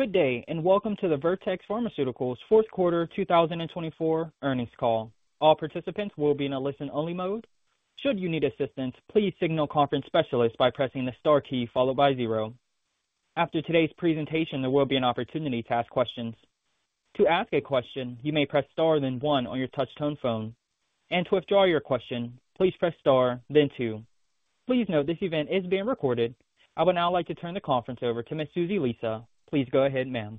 Good day, and welcome to the Vertex Pharmaceuticals' fourth quarter 2024 earnings call. All participants will be in a listen-only mode. Should you need assistance, please signal conference specialists by pressing the star key followed by zero. After today's presentation, there will be an opportunity to ask questions. To ask a question, you may press star then one on your touch-tone phone, and to withdraw your question, please press star then two. Please note this event is being recorded. I would now like to turn the conference over to Ms. Susie Lisa. Please go ahead, ma'am.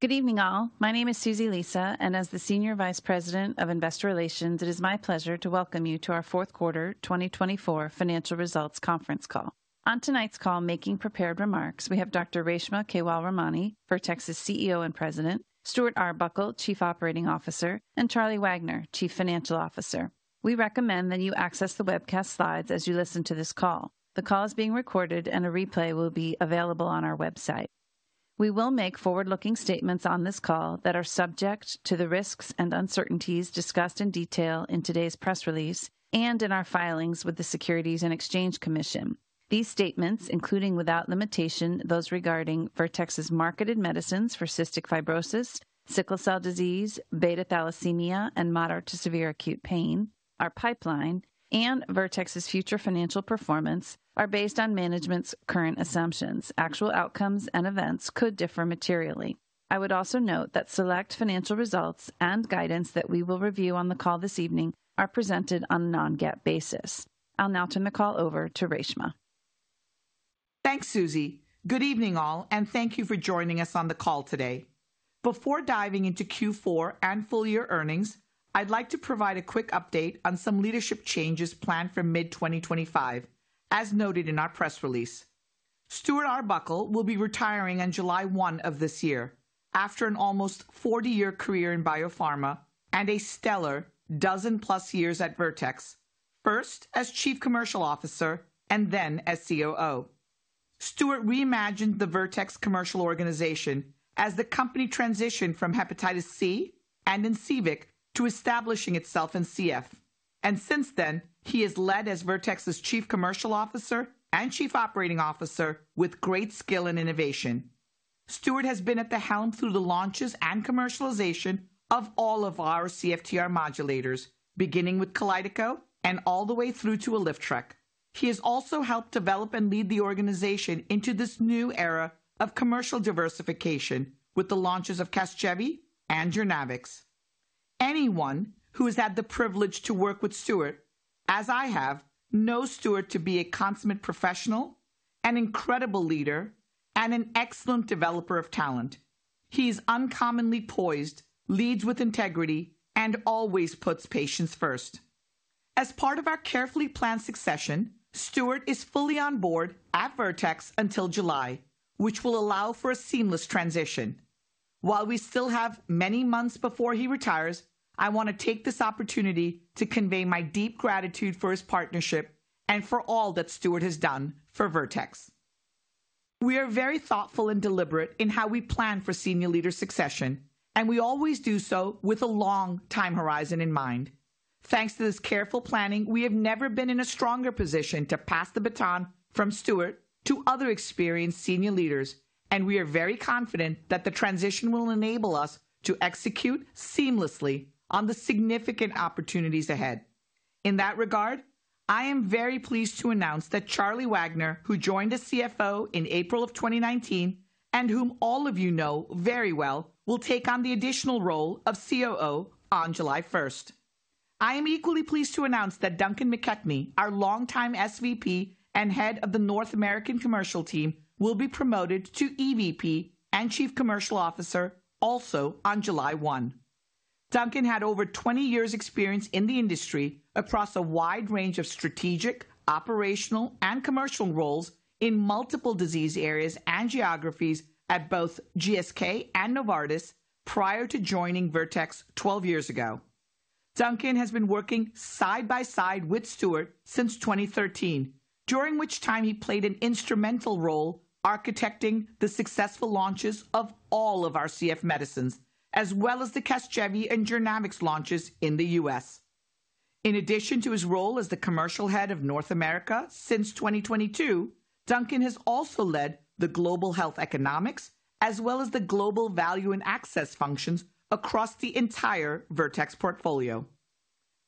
Good evening, all. My name is Susie Lisa, and as the Senior Vice President of Investor Relations, it is my pleasure to welcome you to our fourth quarter 2024 financial results conference call. On tonight's call, making prepared remarks, we have Dr. Reshma Kewalramani, Vertex's CEO and President, Stuart Arbuckle, Chief Operating Officer, and Charlie Wagner, Chief Financial Officer. We recommend that you access the webcast slides as you listen to this call. The call is being recorded, and a replay will be available on our website. We will make forward-looking statements on this call that are subject to the risks and uncertainties discussed in detail in today's press release and in our filings with the Securities and Exchange Commission. These statements, including without limitation those regarding Vertex's marketed medicines for cystic fibrosis, sickle cell disease, beta thalassemia, and moderate to severe acute pain, our pipeline, and Vertex's future financial performance, are based on management's current assumptions. Actual outcomes and events could differ materially. I would also note that select financial results and guidance that we will review on the call this evening are presented on a non-GAAP basis. I'll now turn the call over to Reshma. Thanks, Susie. Good evening, all, and thank you for joining us on the call today. Before diving into Q4 and full-year earnings, I'd like to provide a quick update on some leadership changes planned for mid-2025, as noted in our press release. Stuart Arbuckle will be retiring on July 1 of this year, after an almost 40-year career in biopharma and a stellar dozen-plus years at Vertex, first as Chief Commercial Officer and then as COO. Stuart reimagined the Vertex commercial organization as the company transitioned from hepatitis C and Incivek to establishing itself in CF, and since then, he has led as Vertex's Chief Commercial Officer and Chief Operating Officer with great skill and innovation. Stuart has been at the helm through the launches and commercialization of all of our CFTR modulators, beginning with Kalydeco and all the way through to Alyftrek. He has also helped develop and lead the organization into this new era of commercial diversification with the launches of Casgevy and Jurnavics. Anyone who has had the privilege to work with Stuart, as I have, knows Stuart to be a consummate professional, an incredible leader, and an excellent developer of talent. He is uncommonly poised, leads with integrity, and always puts patients first. As part of our carefully planned succession, Stuart is fully on board at Vertex until July, which will allow for a seamless transition. While we still have many months before he retires, I want to take this opportunity to convey my deep gratitude for his partnership and for all that Stuart has done for Vertex. We are very thoughtful and deliberate in how we plan for senior leader succession, and we always do so with a long time horizon in mind. Thanks to this careful planning, we have never been in a stronger position to pass the baton from Stuart to other experienced senior leaders, and we are very confident that the transition will enable us to execute seamlessly on the significant opportunities ahead. In that regard, I am very pleased to announce that Charlie Wagner, who joined as CFO in April of 2019 and whom all of you know very well, will take on the additional role of COO on July 1st. I am equally pleased to announce that Duncan McKechnie, our longtime SVP and head of the North American Commercial team, will be promoted to EVP and Chief Commercial Officer also on July 1. Duncan had over 20 years' experience in the industry across a wide range of strategic, operational, and commercial roles in multiple disease areas and geographies at both GSK and Novartis prior to joining Vertex 12 years ago. Duncan has been working side by side with Stuart since 2013, during which time he played an instrumental role architecting the successful launches of all of our CF medicines, as well as the Casgevy and Jurnavics launches in the U.S. In addition to his role as the Commercial Head of North America since 2022, Duncan has also led the Global Health Economics, as well as the Global Value and Access functions across the entire Vertex portfolio.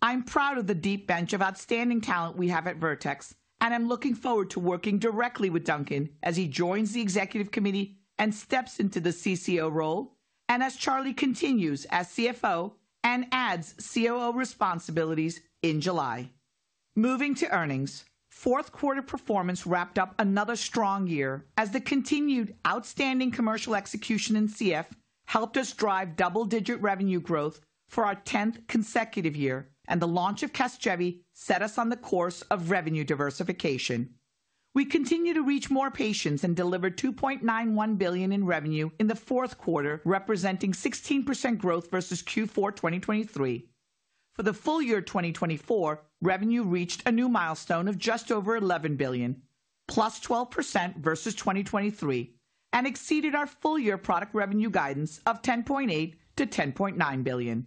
I'm proud of the deep bench of outstanding talent we have at Vertex, and I'm looking forward to working directly with Duncan as he joins the executive committee and steps into the CCO role, and as Charlie continues as CFO and adds COO responsibilities in July. Moving to earnings, fourth quarter performance wrapped up another strong year as the continued outstanding commercial execution in CF helped us drive double-digit revenue growth for our tenth consecutive year, and the launch of Casgevy set us on the course of revenue diversification. We continue to reach more patients and deliver $2.91 billion in revenue in the fourth quarter, representing 16% growth versus Q4 2023. For the full year 2024, revenue reached a new milestone of just over $11 billion, plus 12% versus 2023, and exceeded our full-year product revenue guidance of $10.8-$10.9 billion.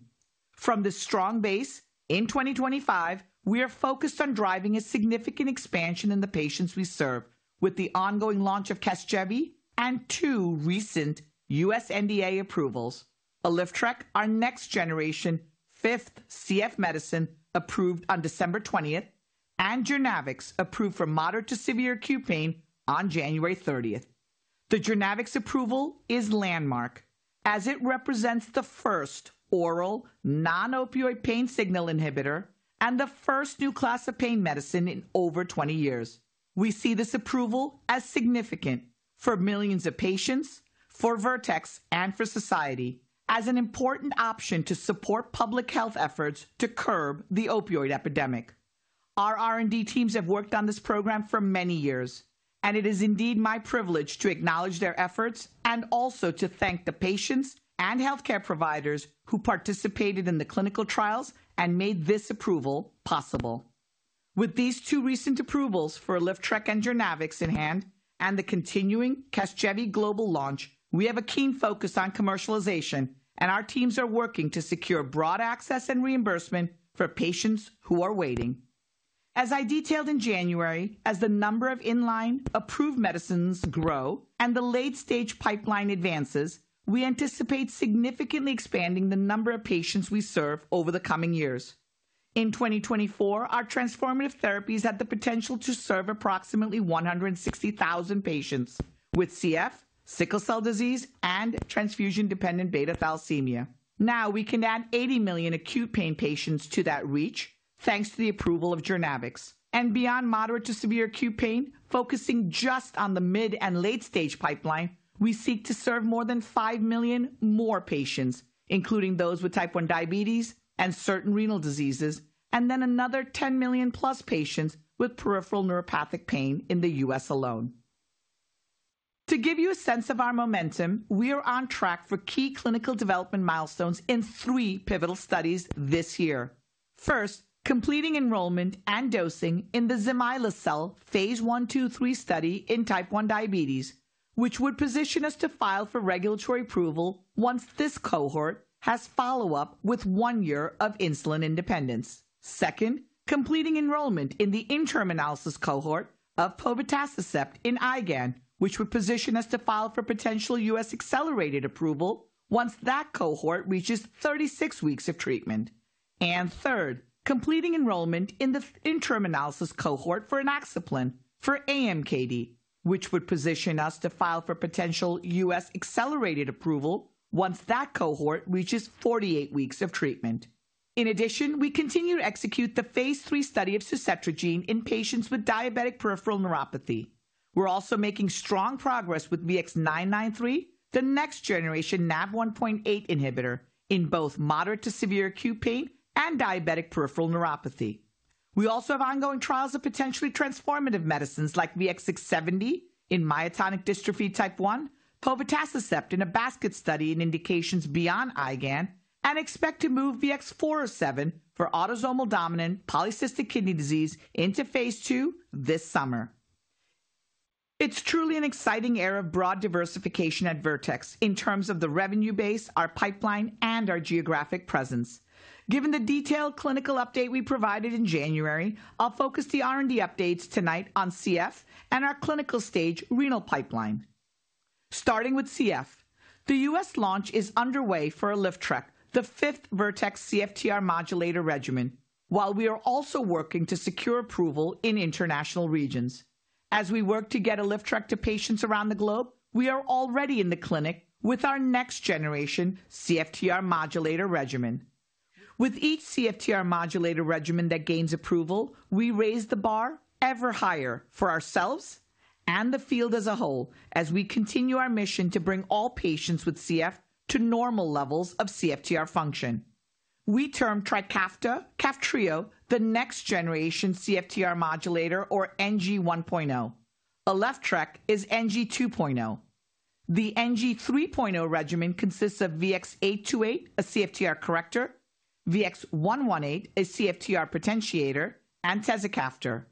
From this strong base, in 2025, we are focused on driving a significant expansion in the patients we serve, with the ongoing launch of Casgevy and two recent U.S. NDA approvals: Alyftrek, our next-generation fifth CF medicine, approved on December 20th, and Jurnavics, approved for moderate to severe acute pain on January 30th. The Jurnavics approval is landmark, as it represents the first oral non-opioid pain signal inhibitor and the first new class of pain medicine in over 20 years. We see this approval as significant for millions of patients, for Vertex, and for society as an important option to support public health efforts to curb the opioid epidemic. Our R&D teams have worked on this program for many years, and it is indeed my privilege to acknowledge their efforts and also to thank the patients and healthcare providers who participated in the clinical trials and made this approval possible. With these two recent approvals for Alyftrek and Jurnavics in hand, and the continuing Casgevy global launch, we have a keen focus on commercialization, and our teams are working to secure broad access and reimbursement for patients who are waiting. As I detailed in January, as the number of in-line approved medicines grow and the late-stage pipeline advances, we anticipate significantly expanding the number of patients we serve over the coming years. In 2024, our transformative therapies have the potential to serve approximately 160,000 patients with CF, sickle cell disease, and transfusion-dependent beta thalassemia. Now, we can add 80 million acute pain patients to that reach, thanks to the approval of Jurnavics. Beyond moderate to severe acute pain, focusing just on the mid and late-stage pipeline, we seek to serve more than five million more patients, including those with type 1 diabetes and certain renal diseases, and then another 10 million-plus patients with peripheral neuropathic pain in the U.S. alone. To give you a sense of our momentum, we are on track for key clinical development milestones in three pivotal studies this year. First, completing enrollment and dosing in the Zymylacel phase 1, 2, 3 study in type 1 diabetes, which would position us to file for regulatory approval once this cohort has follow-up with one year of insulin independence. Second, completing enrollment in the interim analysis cohort of povetacicept in IgAN, which would position us to file for potential U.S. accelerated approval once that cohort reaches 36 weeks of treatment. Third, completing enrollment in the interim analysis cohort for inaxaplin for AMKD, which would position us to file for potential U.S. accelerated approval once that cohort reaches 48 weeks of treatment. In addition, we continue to execute the phase 3 study of suzetrigine in patients with diabetic peripheral neuropathy. We're also making strong progress with VX-993, the next-generation NaV1.8 inhibitor, in both moderate to severe acute pain and diabetic peripheral neuropathy. We also have ongoing trials of potentially transformative medicines like VX-670 in myotonic dystrophy type 1, Povetacicept in a basket study in indications beyond IgAN, and expect to move VX-407 for autosomal dominant polycystic kidney disease into phase 2 this summer. It's truly an exciting era of broad diversification at Vertex in terms of the revenue base, our pipeline, and our geographic presence. Given the detailed clinical update we provided in January, I'll focus the R&D updates tonight on CF and our clinical stage renal pipeline. Starting with CF, the U.S. launch is underway for Alyftrek, the fifth Vertex CFTR modulator regimen, while we are also working to secure approval in international regions. As we work to get Alyftrek to patients around the globe, we are already in the clinic with our next-generation CFTR modulator regimen. With each CFTR modulator regimen that gains approval, we raise the bar ever higher for ourselves and the field as a whole as we continue our mission to bring all patients with CF to normal levels of CFTR function. We term Trikafta Kaftrio the next-generation CFTR modulator or NG1.0. Alyftrek is NG2.0. The NG3.0 regimen consists of VX-828, a CFTR corrector, VX-118, a CFTR potentiator, and tezacaftor.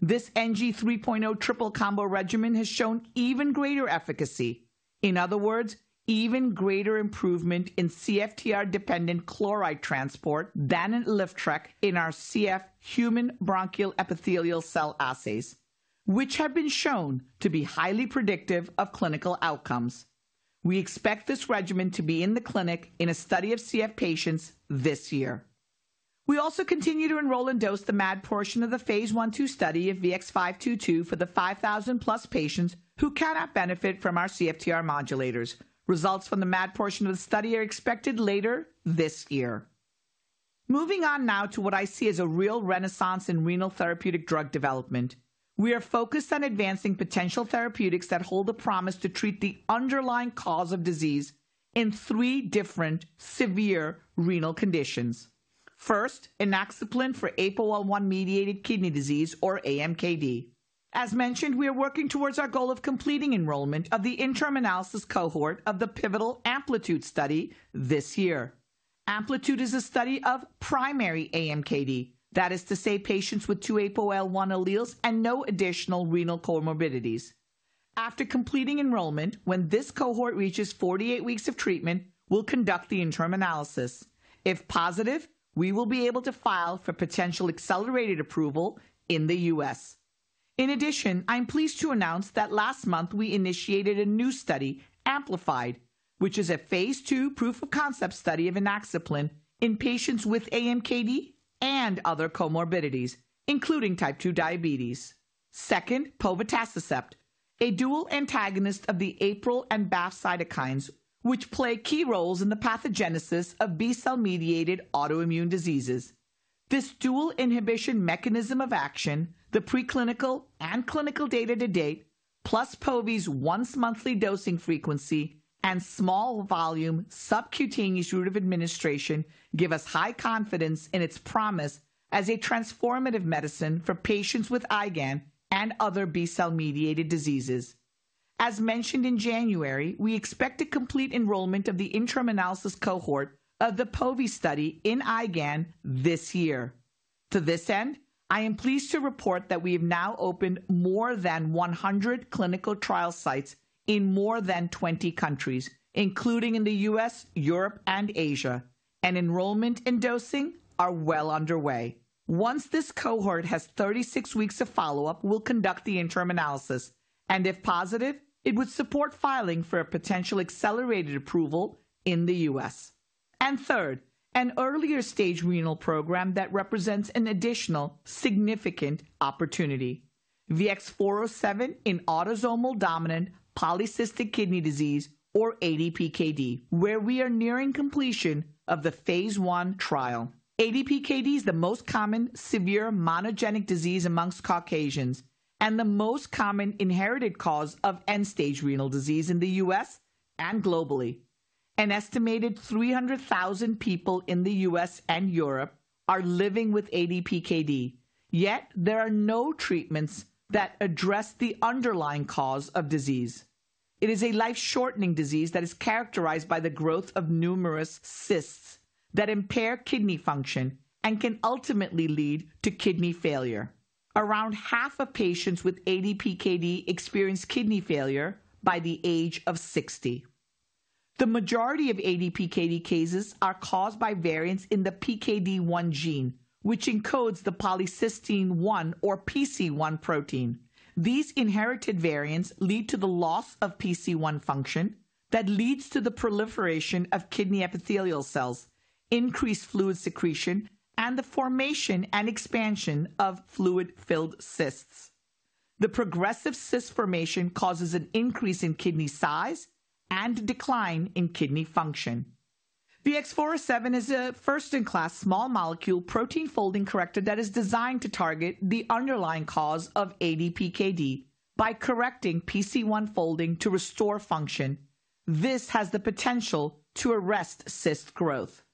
This NG3.0 triple combo regimen has shown even greater efficacy, in other words, even greater improvement in CFTR-dependent chloride transport than in Alyftrek in our CF human bronchial epithelial cell assays, which have been shown to be highly predictive of clinical outcomes. We expect this regimen to be in the clinic in a study of CF patients this year. We also continue to enroll and dose the MAD portion of the phase 1, 2 study of VX-522 for the 5,000-plus patients who cannot benefit from our CFTR modulators. Results from the MAD portion of the study are expected later this year. Moving on now to what I see as a real renaissance in renal therapeutic drug development. We are focused on advancing potential therapeutics that hold the promise to treat the underlying cause of disease in three different severe renal conditions. First, Inaxaplin for APOL1 mediated kidney disease, or AMKD. As mentioned, we are working towards our goal of completing enrollment of the interim analysis cohort of the pivotal Amplitude study this year. Amplitude is a study of primary AMKD, that is to say patients with two apoL1 alleles and no additional renal comorbidities. After completing enrollment, when this cohort reaches 48 weeks of treatment, we'll conduct the interim analysis. If positive, we will be able to file for potential accelerated approval in the U.S. In addition, I'm pleased to announce that last month we initiated a new study, Amplified, which is a phase 2 proof of concept study of Inaxaplin in patients with AMKD and other comorbidities, including type 2 diabetes. Second, Povetacicept, a dual antagonist of the APRIL and BAFF cytokines, which play key roles in the pathogenesis of B-cell-mediated autoimmune diseases. This dual inhibition mechanism of action, the preclinical and clinical data to date, plus povetacicept's once-monthly dosing frequency and small-volume subcutaneous route of administration, give us high confidence in its promise as a transformative medicine for patients with IgAN and other B-cell-mediated diseases. As mentioned in January, we expect to complete enrollment of the interim analysis cohort of the povetacicept study in IgAN this year. To this end, I am pleased to report that we have now opened more than 100 clinical trial sites in more than 20 countries, including in the U.S., Europe, and Asia, and enrollment and dosing are well underway. Once this cohort has 36 weeks of follow-up, we'll conduct the interim analysis, and if positive, it would support filing for a potential accelerated approval in the U.S. And third, an earlier stage renal program that represents an additional significant opportunity: VX-407 in autosomal dominant polycystic kidney disease, or ADPKD, where we are nearing completion of the phase 1 trial. ADPKD is the most common severe monogenic disease among Caucasians and the most common inherited cause of end-stage renal disease in the U.S. and globally. An estimated 300,000 people in the U.S. and Europe are living with ADPKD, yet there are no treatments that address the underlying cause of disease. It is a life-shortening disease that is characterized by the growth of numerous cysts that impair kidney function and can ultimately lead to kidney failure. Around half of patients with ADPKD experience kidney failure by the age of 60. The majority of ADPKD cases are caused by variants in the PKD1 gene, which encodes the polycystin-1 or PC-1 protein. These inherited variants lead to the loss of PC-1 function that leads to the proliferation of kidney epithelial cells, increased fluid secretion, and the formation and expansion of fluid-filled cysts. The progressive cyst formation causes an increase in kidney size and decline in kidney function. VX-407 is a first-in-class small molecule protein folding corrector that is designed to target the underlying cause of ADPKD by correcting PC-1 folding to restore function. This has the potential to arrest cyst growth.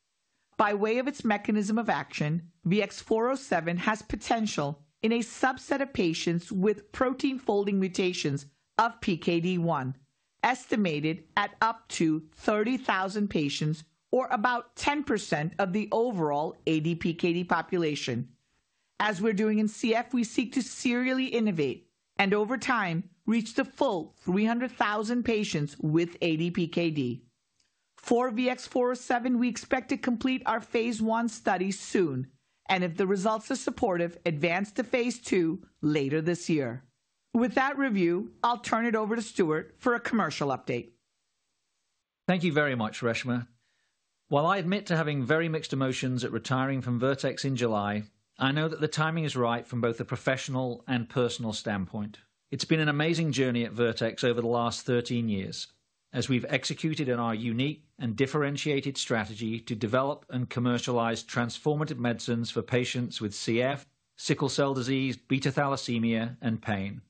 By way of its mechanism of action, VX-407 has potential in a subset of patients with protein folding mutations of PKD1, estimated at up to 30,000 patients, or about 10% of the overall ADPKD population. As we're doing in CF, we seek to serially innovate and, over time, reach the full 300,000 patients with ADPKD. For VX-407, we expect to complete our phase 1 study soon, and if the results are supportive, advance to phase 2 later this year. With that review, I'll turn it over to Stuart for a commercial update. Thank you very much, Reshma. While I admit to having very mixed emotions at retiring from Vertex in July, I know that the timing is right from both a professional and personal standpoint. It's been an amazing journey at Vertex over the last 13 years, as we've executed on our unique and differentiated strategy to develop and commercialize transformative medicines for patients with CF, sickle cell disease, beta thalassemia, and pain,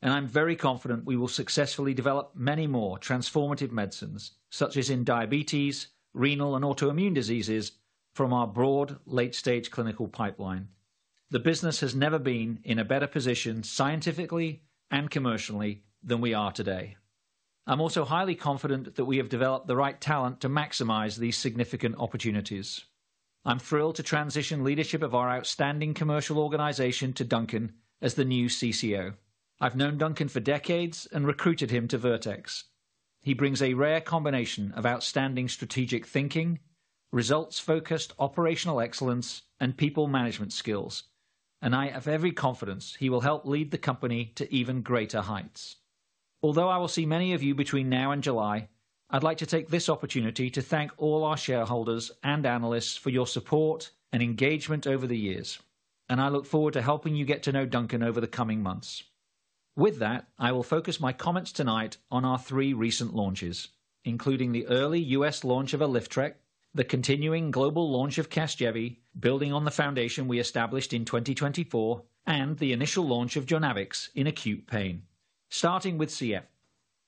and I'm very confident we will successfully develop many more transformative medicines, such as in diabetes, renal, and autoimmune diseases, from our broad late-stage clinical pipeline. The business has never been in a better position scientifically and commercially than we are today. I'm also highly confident that we have developed the right talent to maximize these significant opportunities. I'm thrilled to transition leadership of our outstanding commercial organization to Duncan as the new CCO. I've known Duncan for decades and recruited him to Vertex. He brings a rare combination of outstanding strategic thinking, results-focused operational excellence, and people management skills, and I have every confidence he will help lead the company to even greater heights. Although I will see many of you between now and July, I'd like to take this opportunity to thank all our shareholders and analysts for your support and engagement over the years, and I look forward to helping you get to know Duncan over the coming months. With that, I will focus my comments tonight on our three recent launches, including the early U.S. Launch of Alyftrek, the continuing global launch of Casgevy, building on the foundation we established in 2024, and the initial launch of Jurnavics in acute pain. Starting with CF,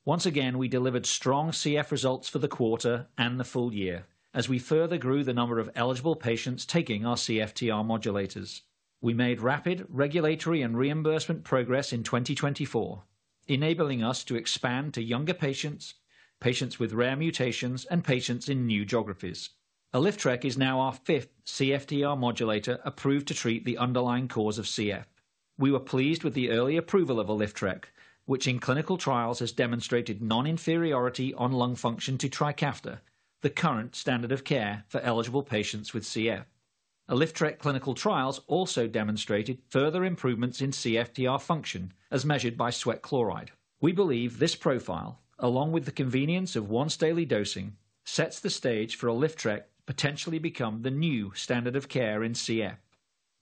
once again we delivered strong CF results for the quarter and the full year as we further grew the number of eligible patients taking our CFTR modulators. We made rapid regulatory and reimbursement progress in 2024, enabling us to expand to younger patients, patients with rare mutations, and patients in new geographies. Alyftrek is now our fifth CFTR modulator approved to treat the underlying cause of CF. We were pleased with the early approval of Alyftrek, which in clinical trials has demonstrated non-inferiority on lung function to Trikafta, the current standard of care for eligible patients with CF. Alyftrek clinical trials also demonstrated further improvements in CFTR function, as measured by sweat chloride. We believe this profile, along with the convenience of once-daily dosing, sets the stage for Alyftrek to potentially become the new standard of care in CF.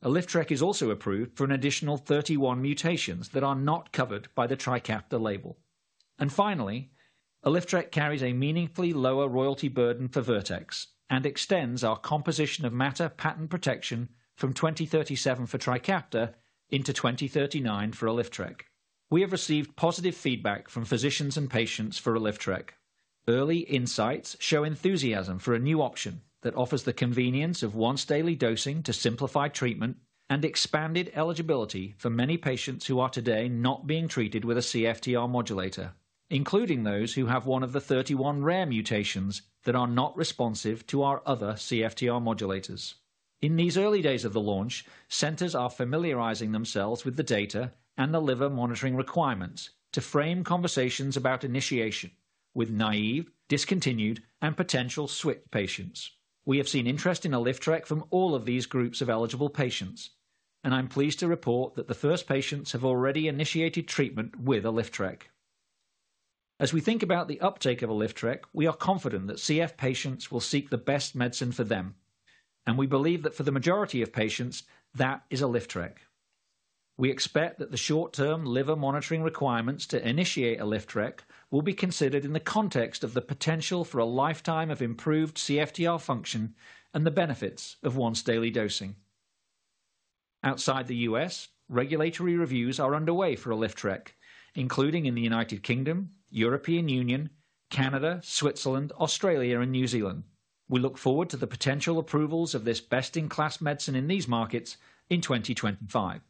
Alyftrek is also approved for an additional 31 mutations that are not covered by the Trikafta label. And finally, Alyftrek carries a meaningfully lower royalty burden for Vertex and extends our composition of matter patent protection from 2037 for Trikafta into 2039 for Alyftrek. We have received positive feedback from physicians and patients for Alyftrek. Early insights show enthusiasm for a new option that offers the convenience of once-daily dosing to simplify treatment and expanded eligibility for many patients who are today not being treated with a CFTR modulator, including those who have one of the 31 rare mutations that are not responsive to our other CFTR modulators. In these early days of the launch, centers are familiarizing themselves with the data and the liver monitoring requirements to frame conversations about initiation with naive, discontinued, and potential switch patients. We have seen interest in Alyftrek from all of these groups of eligible patients, and I'm pleased to report that the first patients have already initiated treatment with Alyftrek. As we think about the uptake of Alyftrek, we are confident that CF patients will seek the best medicine for them, and we believe that for the majority of patients, that is Alyftrek. We expect that the short-term liver monitoring requirements to initiate Alyftrek will be considered in the context of the potential for a lifetime of improved CFTR function and the benefits of once-daily dosing. Outside the U.S., regulatory reviews are underway for Alyftrek, including in the United Kingdom, European Union, Canada, Switzerland, Australia, and New Zealand. We look forward to the potential approvals of this best-in-class medicine in these markets in 2025.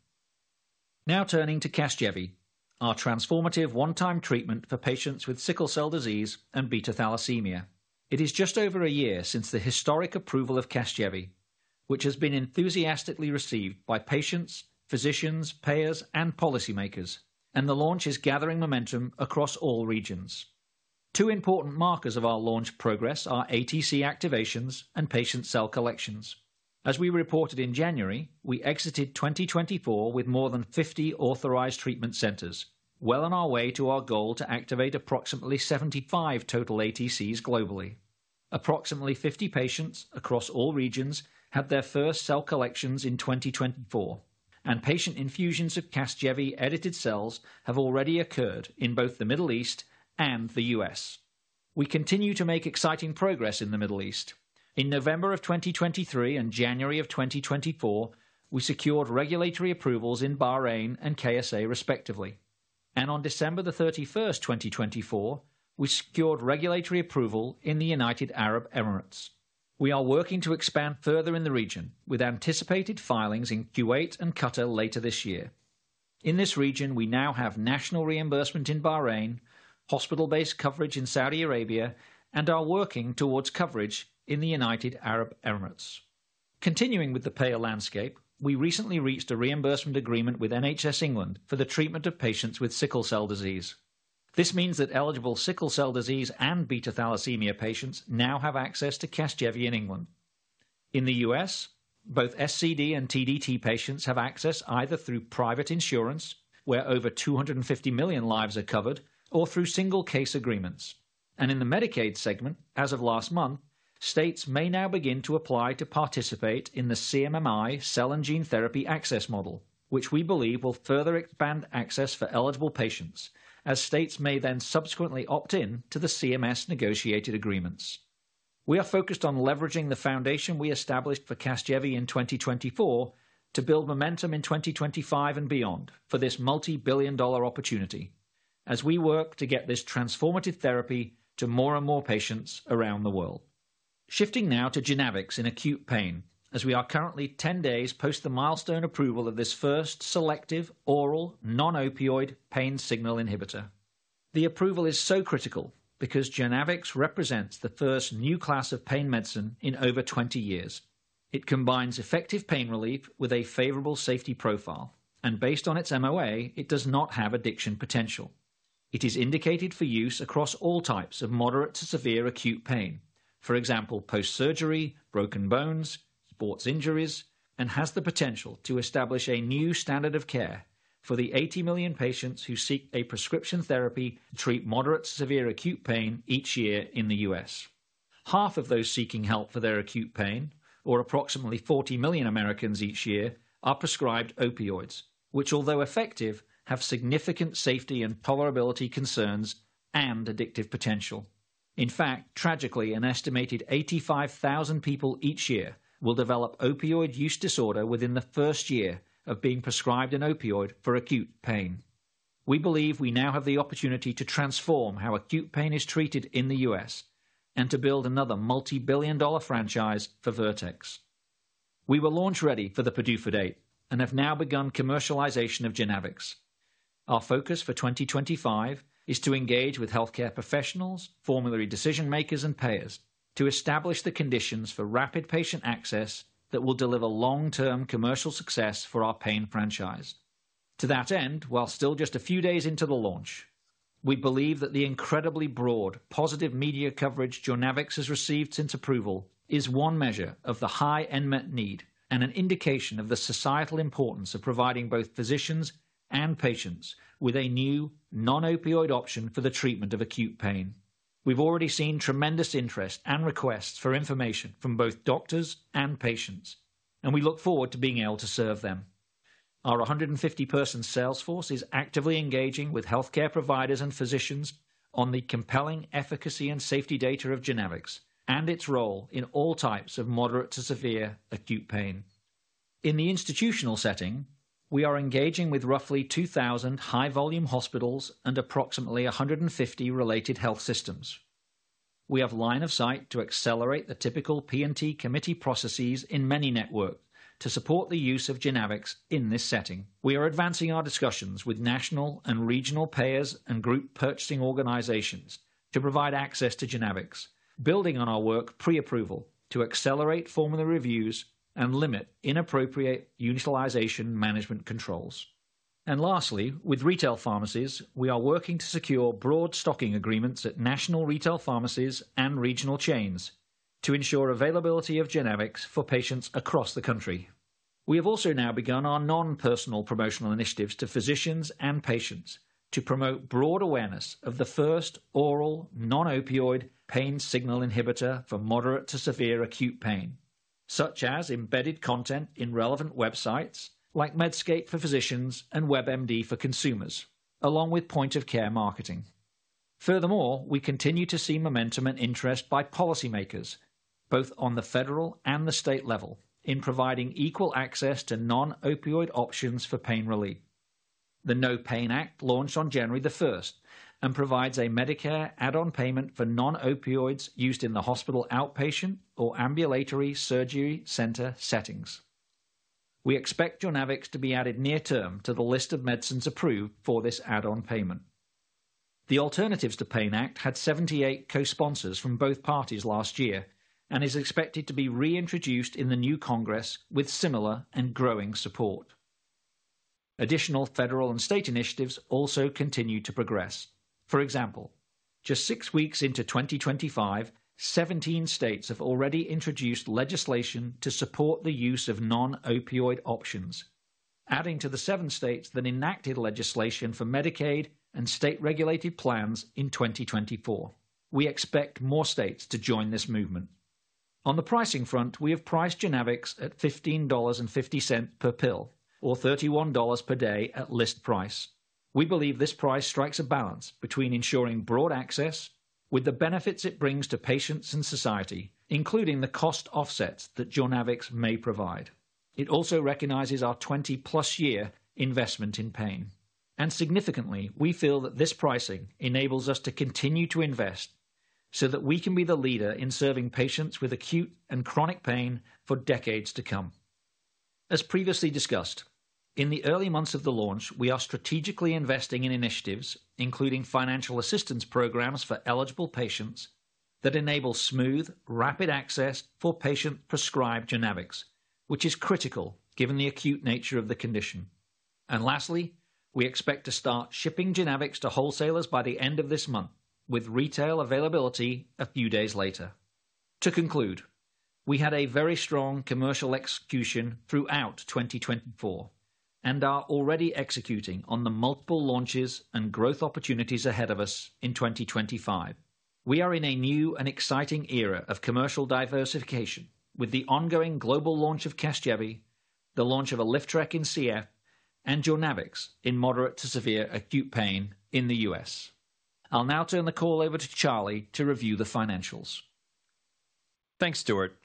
Now turning to Casgevy, our transformative one-time treatment for patients with sickle cell disease and beta thalassemia. It is just over a year since the historic approval of Casgevy, which has been enthusiastically received by patients, physicians, payers, and policymakers, and the launch is gathering momentum across all regions. Two important markers of our launch progress are ATC activations and patient cell collections. As we reported in January, we exited 2024 with more than 50 authorized treatment centers, well on our way to our goal to activate approximately 75 total ATCs globally. Approximately 50 patients across all regions had their first cell collections in 2024, and patient infusions of Casgevy-edited cells have already occurred in both the Middle East and the U.S. We continue to make exciting progress in the Middle East. In November of 2023 and January of 2024, we secured regulatory approvals in Bahrain and KSA, respectively. And on December the 31st, 2024, we secured regulatory approval in the United Arab Emirates. We are working to expand further in the region, with anticipated filings in Kuwait and Qatar later this year. In this region, we now have national reimbursement in Bahrain, hospital-based coverage in Saudi Arabia, and are working towards coverage in the United Arab Emirates. Continuing with the payer landscape, we recently reached a reimbursement agreement with NHS England for the treatment of patients with sickle cell disease. This means that eligible sickle cell disease and beta thalassemia patients now have access to Casgevy in England. In the U.S., both SCD and TDT patients have access either through private insurance, where over 250 million lives are covered, or through single-case agreements. And in the Medicaid segment, as of last month, states may now begin to apply to participate in the CMMI Cell and Gene Therapy Access Model, which we believe will further expand access for eligible patients, as states may then subsequently opt in to the CMS-negotiated agreements. We are focused on leveraging the foundation we established for Casgevy in 2024 to build momentum in 2025 and beyond for this multi-billion dollar opportunity, as we work to get this transformative therapy to more and more patients around the world. Shifting now to Jurnavics in acute pain, as we are currently 10 days post the milestone approval of this first selective oral non-opioid pain signal inhibitor. The approval is so critical because Jurnavics represents the first new class of pain medicine in over 20 years. It combines effective pain relief with a favorable safety profile, and based on its MOA, it does not have addiction potential. It is indicated for use across all types of moderate to severe acute pain, for example, post-surgery, broken bones, sports injuries, and has the potential to establish a new standard of care for the 80 million patients who seek a prescription therapy to treat moderate to severe acute pain each year in the U.S. Half of those seeking help for their acute pain, or approximately 40 million Americans each year, are prescribed opioids, which, although effective, have significant safety and tolerability concerns and addictive potential. In fact, tragically, an estimated 85,000 people each year will develop opioid use disorder within the first year of being prescribed an opioid for acute pain. We believe we now have the opportunity to transform how acute pain is treated in the U.S. And to build another multi-billion dollar franchise for Vertex. We were launch ready for the PDUFA date and have now begun commercialization of Jurnavics. Our focus for 2025 is to engage with healthcare professionals, formulary decision-makers, and payers to establish the conditions for rapid patient access that will deliver long-term commercial success for our pain franchise. To that end, while still just a few days into the launch, we believe that the incredibly broad positive media coverage Jurnavics has received since approval is one measure of the high unmet need and an indication of the societal importance of providing both physicians and patients with a new non-opioid option for the treatment of acute pain. We've already seen tremendous interest and requests for information from both doctors and patients, and we look forward to being able to serve them. Our 150-person sales force is actively engaging with healthcare providers and physicians on the compelling efficacy and safety data of Jurnavics and its role in all types of moderate to severe acute pain. In the institutional setting, we are engaging with roughly 2,000 high-volume hospitals and approximately 150 related health systems. We have line of sight to accelerate the typical P&T committee processes in many networks to support the use of Jurnavics in this setting. We are advancing our discussions with national and regional payers and group purchasing organizations to provide access to Jurnavics, building on our work pre-approval to accelerate formulary reviews and limit inappropriate utilization management controls, and lastly, with retail pharmacies, we are working to secure broad stocking agreements at national retail pharmacies and regional chains to ensure availability of Jurnavics for patients across the country. We have also now begun our non-personal promotional initiatives to physicians and patients to promote broad awareness of the first oral non-opioid pain signal inhibitor for moderate to severe acute pain, such as embedded content in relevant websites like Medscape for physicians and WebMD for consumers, along with point-of-care marketing. Furthermore, we continue to see momentum and interest by policymakers, both on the federal and the state level, in providing equal access to non-opioid options for pain relief. The NOPAIN Act launched on January the 1st and provides a Medicare add-on payment for non-opioids used in the hospital outpatient or ambulatory surgery center settings. We expect Jurnavics to be added near-term to the list of medicines approved for this add-on payment. The Alternatives to PAIN Act had 78 co-sponsors from both parties last year and is expected to be reintroduced in the new Congress with similar and growing support. Additional federal and state initiatives also continue to progress. For example, just six weeks into 2025, 17 states have already introduced legislation to support the use of non-opioid options, adding to the seven states that enacted legislation for Medicaid and state-regulated plans in 2024. We expect more states to join this movement. On the pricing front, we have priced Jurnavics at $15.50 per pill or $31 per day at list price. We believe this price strikes a balance between ensuring broad access with the benefits it brings to patients and society, including the cost offsets that Jurnavics may provide. It also recognizes our 20-plus year investment in pain. And significantly, we feel that this pricing enables us to continue to invest so that we can be the leader in serving patients with acute and chronic pain for decades to come. As previously discussed, in the early months of the launch, we are strategically investing in initiatives, including financial assistance programs for eligible patients that enable smooth, rapid access for patient-prescribed Jurnavics, which is critical given the acute nature of the condition. And lastly, we expect to start shipping Jurnavics to wholesalers by the end of this month, with retail availability a few days later. To conclude, we had a very strong commercial execution throughout 2024 and are already executing on the multiple launches and growth opportunities ahead of us in 2025. We are in a new and exciting era of commercial diversification with the ongoing global launch of Casgevy, the launch of Alyftrek in CF, and Jurnavics in moderate to severe acute pain in the U.S. I'll now turn the call over to Charlie to review the financials. Thanks, Stuart.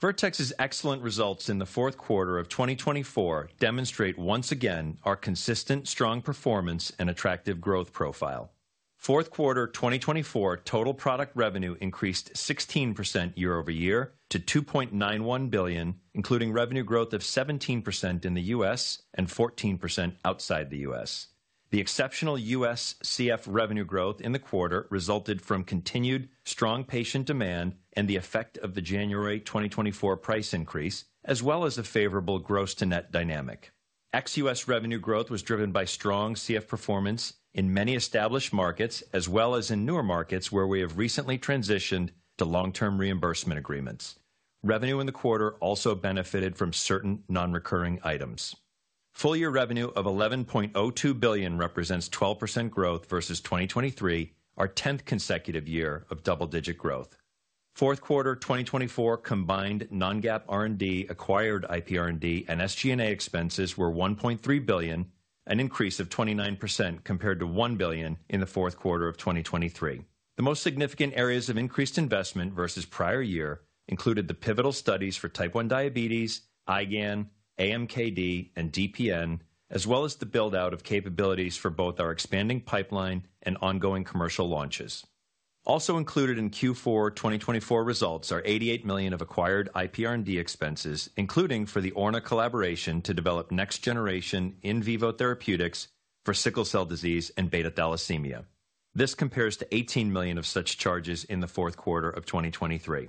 Vertex's excellent results in the fourth quarter of 2024 demonstrate once again our consistent, strong performance and attractive growth profile. Fourth quarter 2024 total product revenue increased 16% year over year to $2.91 billion, including revenue growth of 17% in the U.S. and 14% outside the U.S. The exceptional U.S. CF revenue growth in the quarter resulted from continued strong patient demand and the effect of the January 2024 price increase, as well as a favorable gross-to-net dynamic. Ex-U.S. revenue growth was driven by strong CF performance in many established markets, as well as in newer markets where we have recently transitioned to long-term reimbursement agreements. Revenue in the quarter also benefited from certain non-recurring items. Full-year revenue of $11.02 billion represents 12% growth versus 2023, our 10th consecutive year of double-digit growth. Fourth quarter 2024 combined non-GAAP R&D, acquired IP R&D, and SG&A expenses were $1.3 billion, an increase of 29% compared to $1 billion in the fourth quarter of 2023. The most significant areas of increased investment versus prior year included the pivotal studies for type 1 diabetes, IgAN, AMKD, and DPN, as well as the build-out of capabilities for both our expanding pipeline and ongoing commercial launches. Also included in Q4 2024 results are $88 million of acquired IP R&D expenses, including for the Orna collaboration to develop next-generation in vivo therapeutics for sickle cell disease and beta thalassemia. This compares to $18 million of such charges in the fourth quarter of 2023.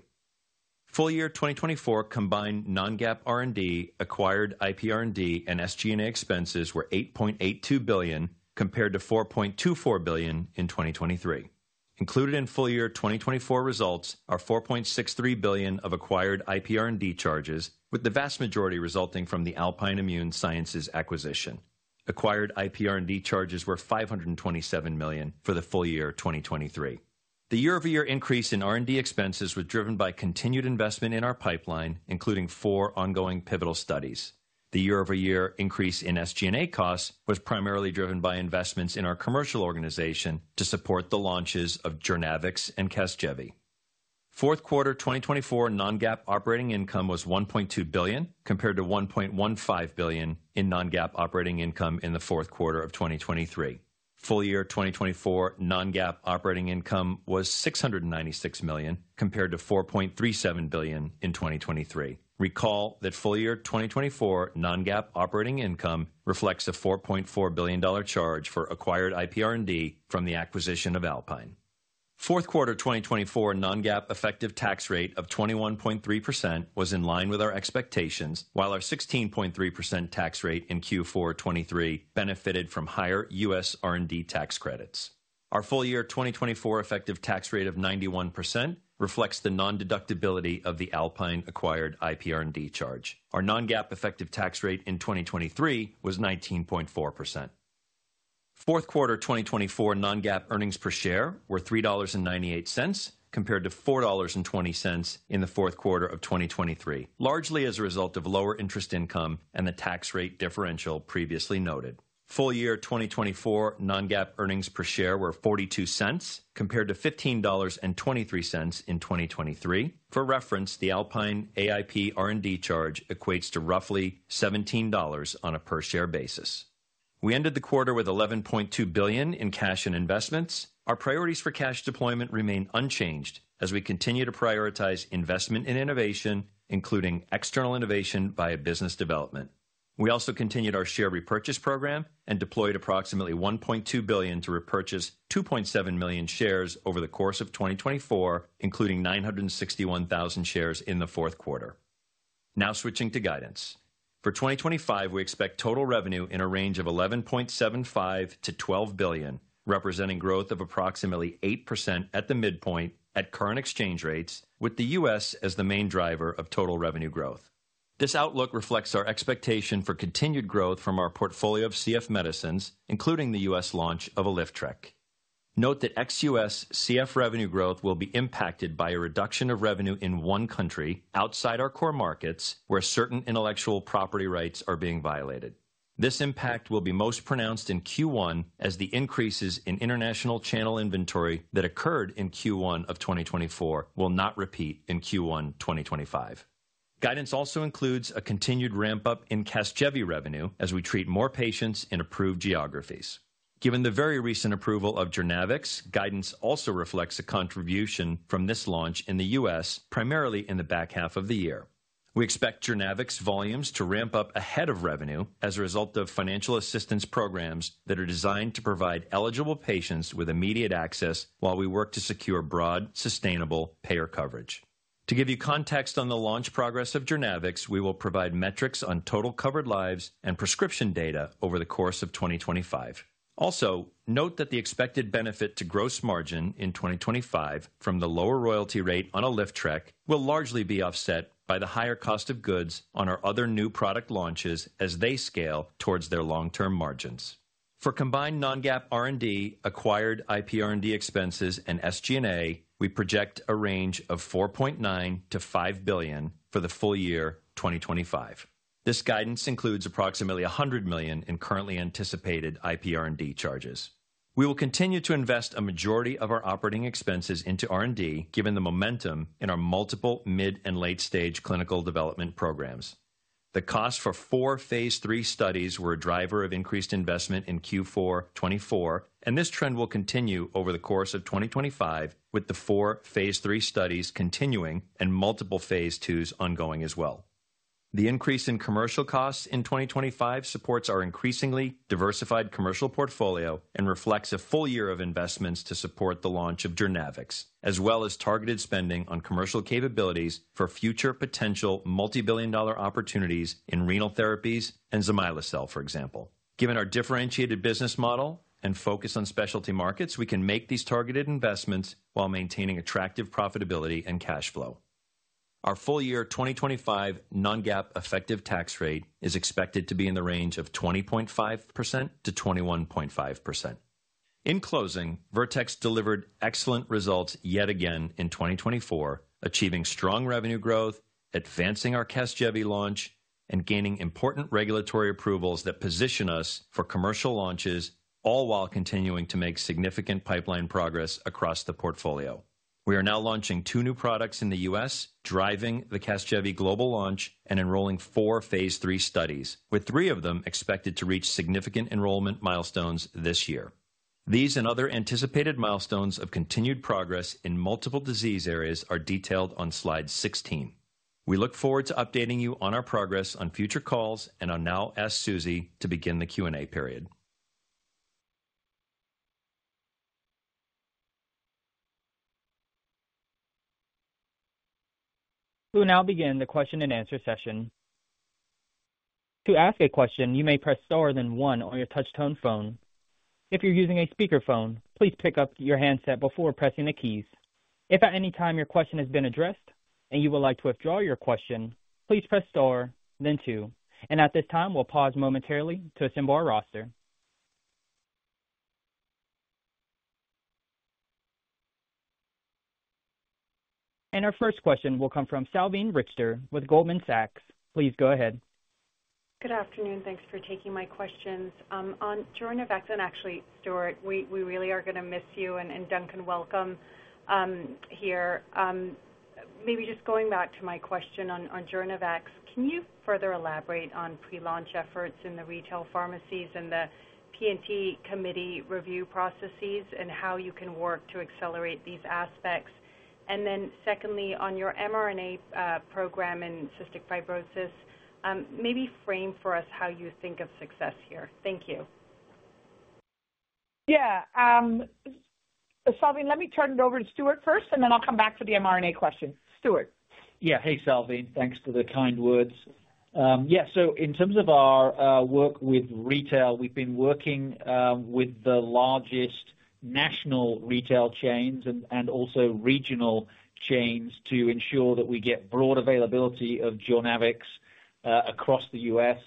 Full-year 2024 combined non-GAAP R&D, acquired IP R&D, and SG&A expenses were $8.82 billion compared to $4.24 billion in 2023. Included in full-year 2024 results are $4.63 billion of acquired IP R&D charges, with the vast majority resulting from the Alpine Immune Sciences acquisition. Acquired IP R&D charges were $527 million for the full year 2023. The year-over-year increase in R&D expenses was driven by continued investment in our pipeline, including four ongoing pivotal studies. The year-over-year increase in SG&A costs was primarily driven by investments in our commercial organization to support the launches of Jurnavics and Casgevy. Fourth quarter 2024 non-GAAP operating income was $1.2 billion compared to $1.15 billion in non-GAAP operating income in the fourth quarter of 2023. Full-year 2024 non-GAAP operating income was $696 million compared to $4.37 billion in 2023. Recall that full-year 2024 non-GAAP operating income reflects a $4.4 billion charge for acquired IP R&D from the acquisition of Alpine. Fourth quarter 2024 non-GAAP effective tax rate of 21.3% was in line with our expectations, while our 16.3% tax rate in Q4 2023 benefited from higher U.S. R&D tax credits. Our full-year 2024 effective tax rate of 91% reflects the non-deductibility of the Alpine acquired IP R&D charge. Our non-GAAP effective tax rate in 2023 was 19.4%. Fourth quarter 2024 non-GAAP earnings per share were $3.98 compared to $4.20 in the fourth quarter of 2023, largely as a result of lower interest income and the tax rate differential previously noted. Full-year 2024 non-GAAP earnings per share were $0.42 compared to $15.23 in 2023. For reference, the Alpine IP R&D charge equates to roughly $17 on a per-share basis. We ended the quarter with $11.2 billion in cash and investments. Our priorities for cash deployment remain unchanged as we continue to prioritize investment in innovation, including external innovation via business development. We also continued our share repurchase program and deployed approximately $1.2 billion to repurchase 2.7 million shares over the course of 2024, including 961,000 shares in the fourth quarter. Now switching to guidance. For 2025, we expect total revenue in a range of $11.75-$12 billion, representing growth of approximately 8% at the midpoint at current exchange rates, with the U.S. as the main driver of total revenue growth. This outlook reflects our expectation for continued growth from our portfolio of CF medicines, including the U.S. launch of ALYFTREK. Note that ex-U.S. CF revenue growth will be impacted by a reduction of revenue in one country outside our core markets where certain intellectual property rights are being violated. This impact will be most pronounced in Q1 as the increases in international channel inventory that occurred in Q1 of 2024 will not repeat in Q1 2025. Guidance also includes a continued ramp-up in Casgevy revenue as we treat more patients in approved geographies. Given the very recent approval of Jurnavics, guidance also reflects a contribution from this launch in the U.S., primarily in the back half of the year. We expect Jurnavics volumes to ramp up ahead of revenue as a result of financial assistance programs that are designed to provide eligible patients with immediate access while we work to secure broad, sustainable payer coverage. To give you context on the launch progress of Jurnavics, we will provide metrics on total covered lives and prescription data over the course of 2025. Also, note that the expected benefit to gross margin in 2025 from the lower royalty rate on Alyftrek will largely be offset by the higher cost of goods on our other new product launches as they scale towards their long-term margins. For combined non-GAAP R&D, acquired IP R&D expenses, and SG&A, we project a range of $4.9-$5 billion for the full year 2025. This guidance includes approximately $100 million in currently anticipated IP R&D charges. We will continue to invest a majority of our operating expenses into R&D, given the momentum in our multiple mid and late-stage clinical development programs. The cost for four Phase 3 studies were a driver of increased investment in Q4 2024, and this trend will continue over the course of 2025, with the four Phase 3 studies continuing and multiple phase twos ongoing as well. The increase in commercial costs in 2025 supports our increasingly diversified commercial portfolio and reflects a full year of investments to support the launch of Jurnavics, as well as targeted spending on commercial capabilities for future potential multi-billion dollar opportunities in renal therapies and Zymylacel, for example. Given our differentiated business model and focus on specialty markets, we can make these targeted investments while maintaining attractive profitability and cash flow. Our full-year 2025 non-GAAP effective tax rate is expected to be in the range of 20.5%-21.5%. In closing, Vertex delivered excellent results yet again in 2024, achieving strong revenue growth, advancing our Casgevy launch, and gaining important regulatory approvals that position us for commercial launches, all while continuing to make significant pipeline progress across the portfolio. We are now launching two new products in the U.S., driving the Casgevy global launch and enrolling four Phase 3 studies, with three of them expected to reach significant enrollment milestones this year. These and other anticipated milestones of continued progress in multiple disease areas are detailed on slide 16. We look forward to updating you on our progress on future calls, and now ask Susie to begin the Q&A period. We will now begin the question and answer session. To ask a question, you may press star then one on your touch-tone phone. If you're using a speakerphone, please pick up your handset before pressing the keys. If at any time your question has been addressed and you would like to withdraw your question, please press star, then two. And at this time, we'll pause momentarily to assemble our roster. And our first question will come from Salveen Richter with Goldman Sachs. Please go ahead. Good afternoon. Thanks for taking my questions. On Jurnavics, and actually, Stuart, we really are going to miss you and Duncan, welcome here. Maybe just going back to my question on Jurnavics, can you further elaborate on pre-launch efforts in the retail pharmacies and the P&T committee review processes and how you can work to accelerate these aspects? And then secondly, on your mRNA program in cystic fibrosis, maybe frame for us how you think of success here. Thank you. Yeah. Salveen, let me turn it over to Stuart first, and then I'll come back to the mRNA question. Stuart. Yeah. Hey, Salveen. Thanks for the kind words. Yeah. So in terms of our work with retail, we've been working with the largest national retail chains and also regional chains to ensure that we get broad availability of Jurnavics across the U.S.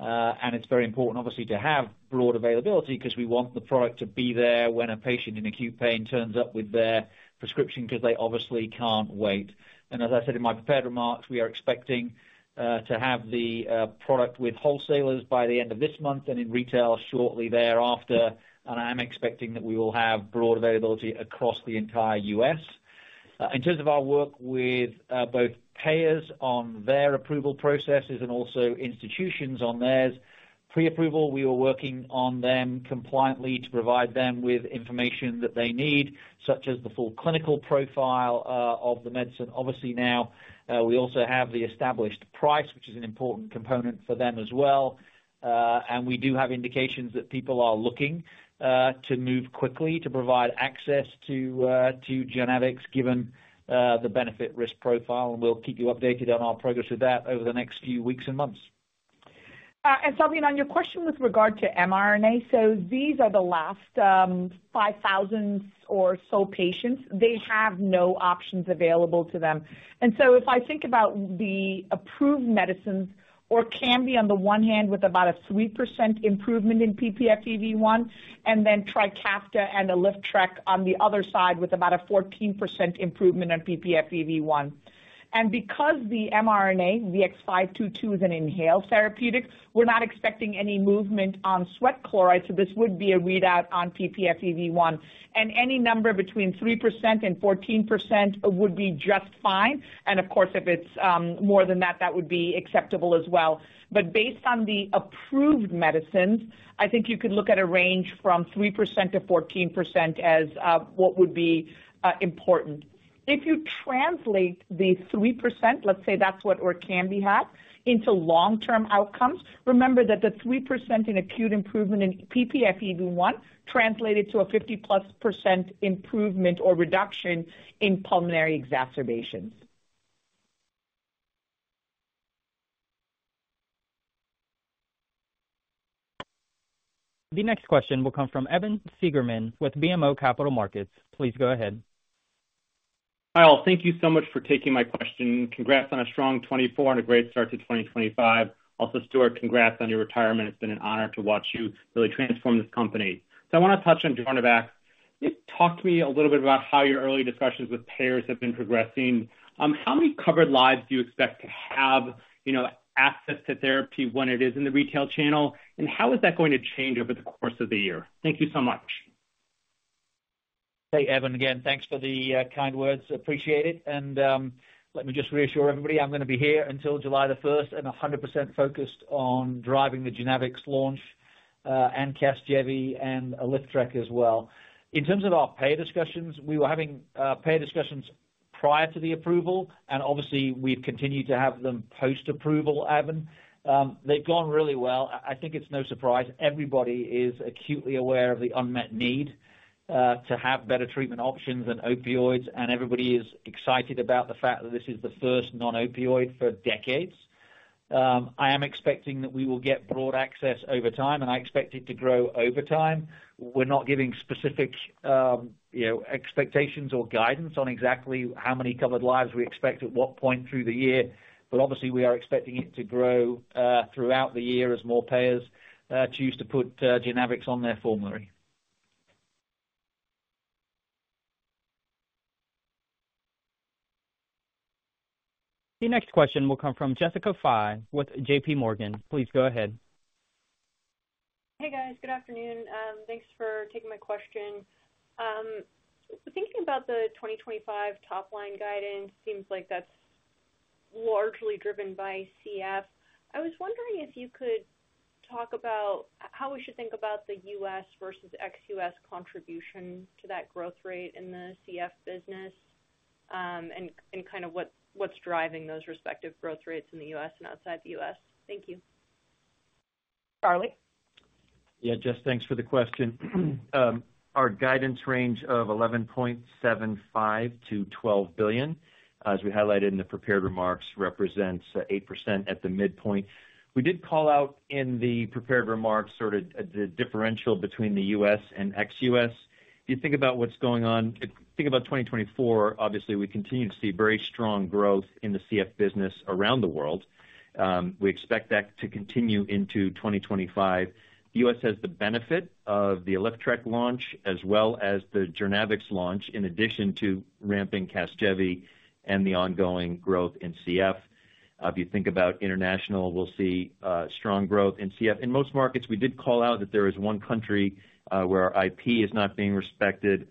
It's very important, obviously, to have broad availability because we want the product to be there when a patient in acute pain turns up with their prescription because they obviously can't wait. As I said in my prepared remarks, we are expecting to have the product with wholesalers by the end of this month and in retail shortly thereafter. I am expecting that we will have broad availability across the entire U.S. In terms of our work with both payers on their approval processes and also institutions on their pre-approval, we are working on them compliantly to provide them with information that they need, such as the full clinical profile of the medicine. Obviously, now we also have the established price, which is an important component for them as well. We do have indications that people are looking to move quickly to provide access to Jurnavics given the benefit risk profile. We'll keep you updated on our progress with that over the next few weeks and months. Salveen, on your question with regard to mRNA, these are the last 5,000 or so patients. They have no options available to them. If I think about the approved medicines, Orkambi on the one hand with about a 3% improvement in ppFEV1, and then Trikafta and Alyftrek on the other side with about a 14% improvement on ppFEV1. Because the mRNA, the VX-522, is an inhaled therapeutic, we're not expecting any movement on sweat chloride. This would be a readout on ppFEV1. Any number between 3% and 14% would be just fine. And of course, if it's more than that, that would be acceptable as well. But based on the approved medicines, I think you could look at a range from 3%-14% as what would be important. If you translate the 3%, let's say that's what Orkambi has, into long-term outcomes, remember that the 3% in acute improvement in ppFEV1 translated to a 50+% improvement or reduction in pulmonary exacerbations. The next question will come from Evan Seigerman with BMO Capital Markets. Please go ahead. Hi. Thank you so much for taking my question. Congrats on a strong 2024 and a great start to 2025. Also, Stuart, congrats on your retirement. It's been an honor to watch you really transform this company. So I want to touch on Jurnavics. Talk to me a little bit about how your early discussions with payers have been progressing. How many covered lives do you expect to have access to therapy when it is in the retail channel? And how is that going to change over the course of the year? Thank you so much. Hey, Evan, again, thanks for the kind words. Appreciate it. And let me just reassure everybody, I'm going to be here until July the 1st and 100% focused on driving the Jurnavics launch and Casgevy and Alyftrek as well. In terms of our payer discussions, we were having payer discussions prior to the approval, and obviously, we've continued to have them post-approval, Evan. They've gone really well. I think it's no surprise. Everybody is acutely aware of the unmet need to have better treatment options than opioids, and everybody is excited about the fact that this is the first non-opioid for decades. I am expecting that we will get broad access over time, and I expect it to grow over time. We're not giving specific expectations or guidance on exactly how many covered lives we expect at what point through the year, but obviously, we are expecting it to grow throughout the year as more payers choose to put Jurnavics on their formulary. The next question will come from Jessica Fye with J.P. Morgan. Please go ahead. Hey, guys. Good afternoon. Thanks for taking my question. Thinking about the 2025 top-line guidance, it seems like that's largely driven by CF. I was wondering if you could talk about how we should think about the U.S. versus ex-U.S. contribution to that growth rate in the CF business and kind of what's driving those respective growth rates in the U.S. and outside the U.S. Thank you. Charlie. Yeah. Just thanks for the question. Our guidance range of $11.75 billion-$12 billion, as we highlighted in the prepared remarks, represents 8% at the midpoint. We did call out in the prepared remarks sort of the differential between the U.S. and ex-U.S. If you think about what's going on, think about 2024, obviously, we continue to see very strong growth in the CF business around the world. We expect that to continue into 2025. The U.S. has the benefit of the ALYFTREK launch as well as the Jurnavics launch in addition to ramping Casgevy and the ongoing growth in CF. If you think about international, we'll see strong growth in CF. In most markets, we did call out that there is one country where IP is not being respected.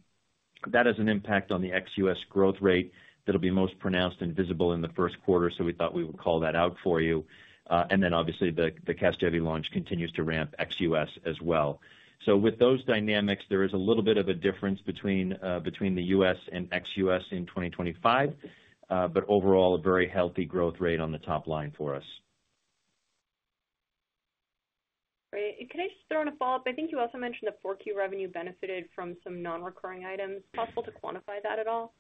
That has an impact on the ex-U.S. growth rate that'll be most pronounced and visible in the first quarter, so we thought we would call that out for you. And then, obviously, the Casgevy launch continues to ramp ex-U.S. as well. So with those dynamics, there is a little bit of a difference between the U.S. and ex-U.S. in 2025, but overall, a very healthy growth rate on the top line for us. Great. Can I just throw in a follow-up? I think you also mentioned that Q4 revenue benefited from some non-recurring items. Possible to quantify that at all?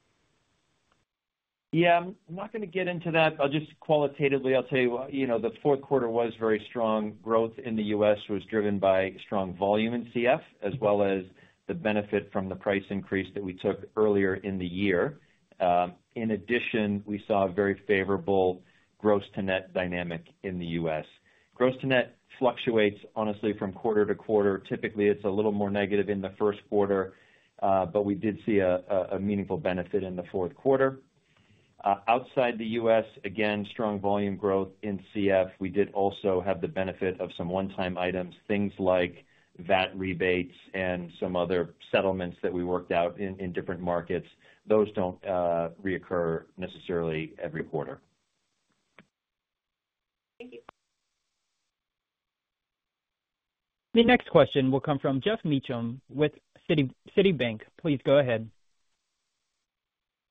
Yeah. I'm not going to get into that. Just qualitatively, I'll tell you, the fourth quarter was very strong. Growth in the U.S. was driven by strong volume in CF as well as the benefit from the price increase that we took earlier in the year. In addition, we saw a very favorable gross-to-net dynamic in the U.S. Gross-to-net fluctuates, honestly, from quarter to quarter. Typically, it's a little more negative in the first quarter, but we did see a meaningful benefit in the fourth quarter. Outside the U.S., again, strong volume growth in CF. We did also have the benefit of some one-time items, things like VAT rebates and some other settlements that we worked out in different markets. Those don't reoccur necessarily every quarter. Thank you. The next question will come from Geoff Meacham with Citibank. Please go ahead.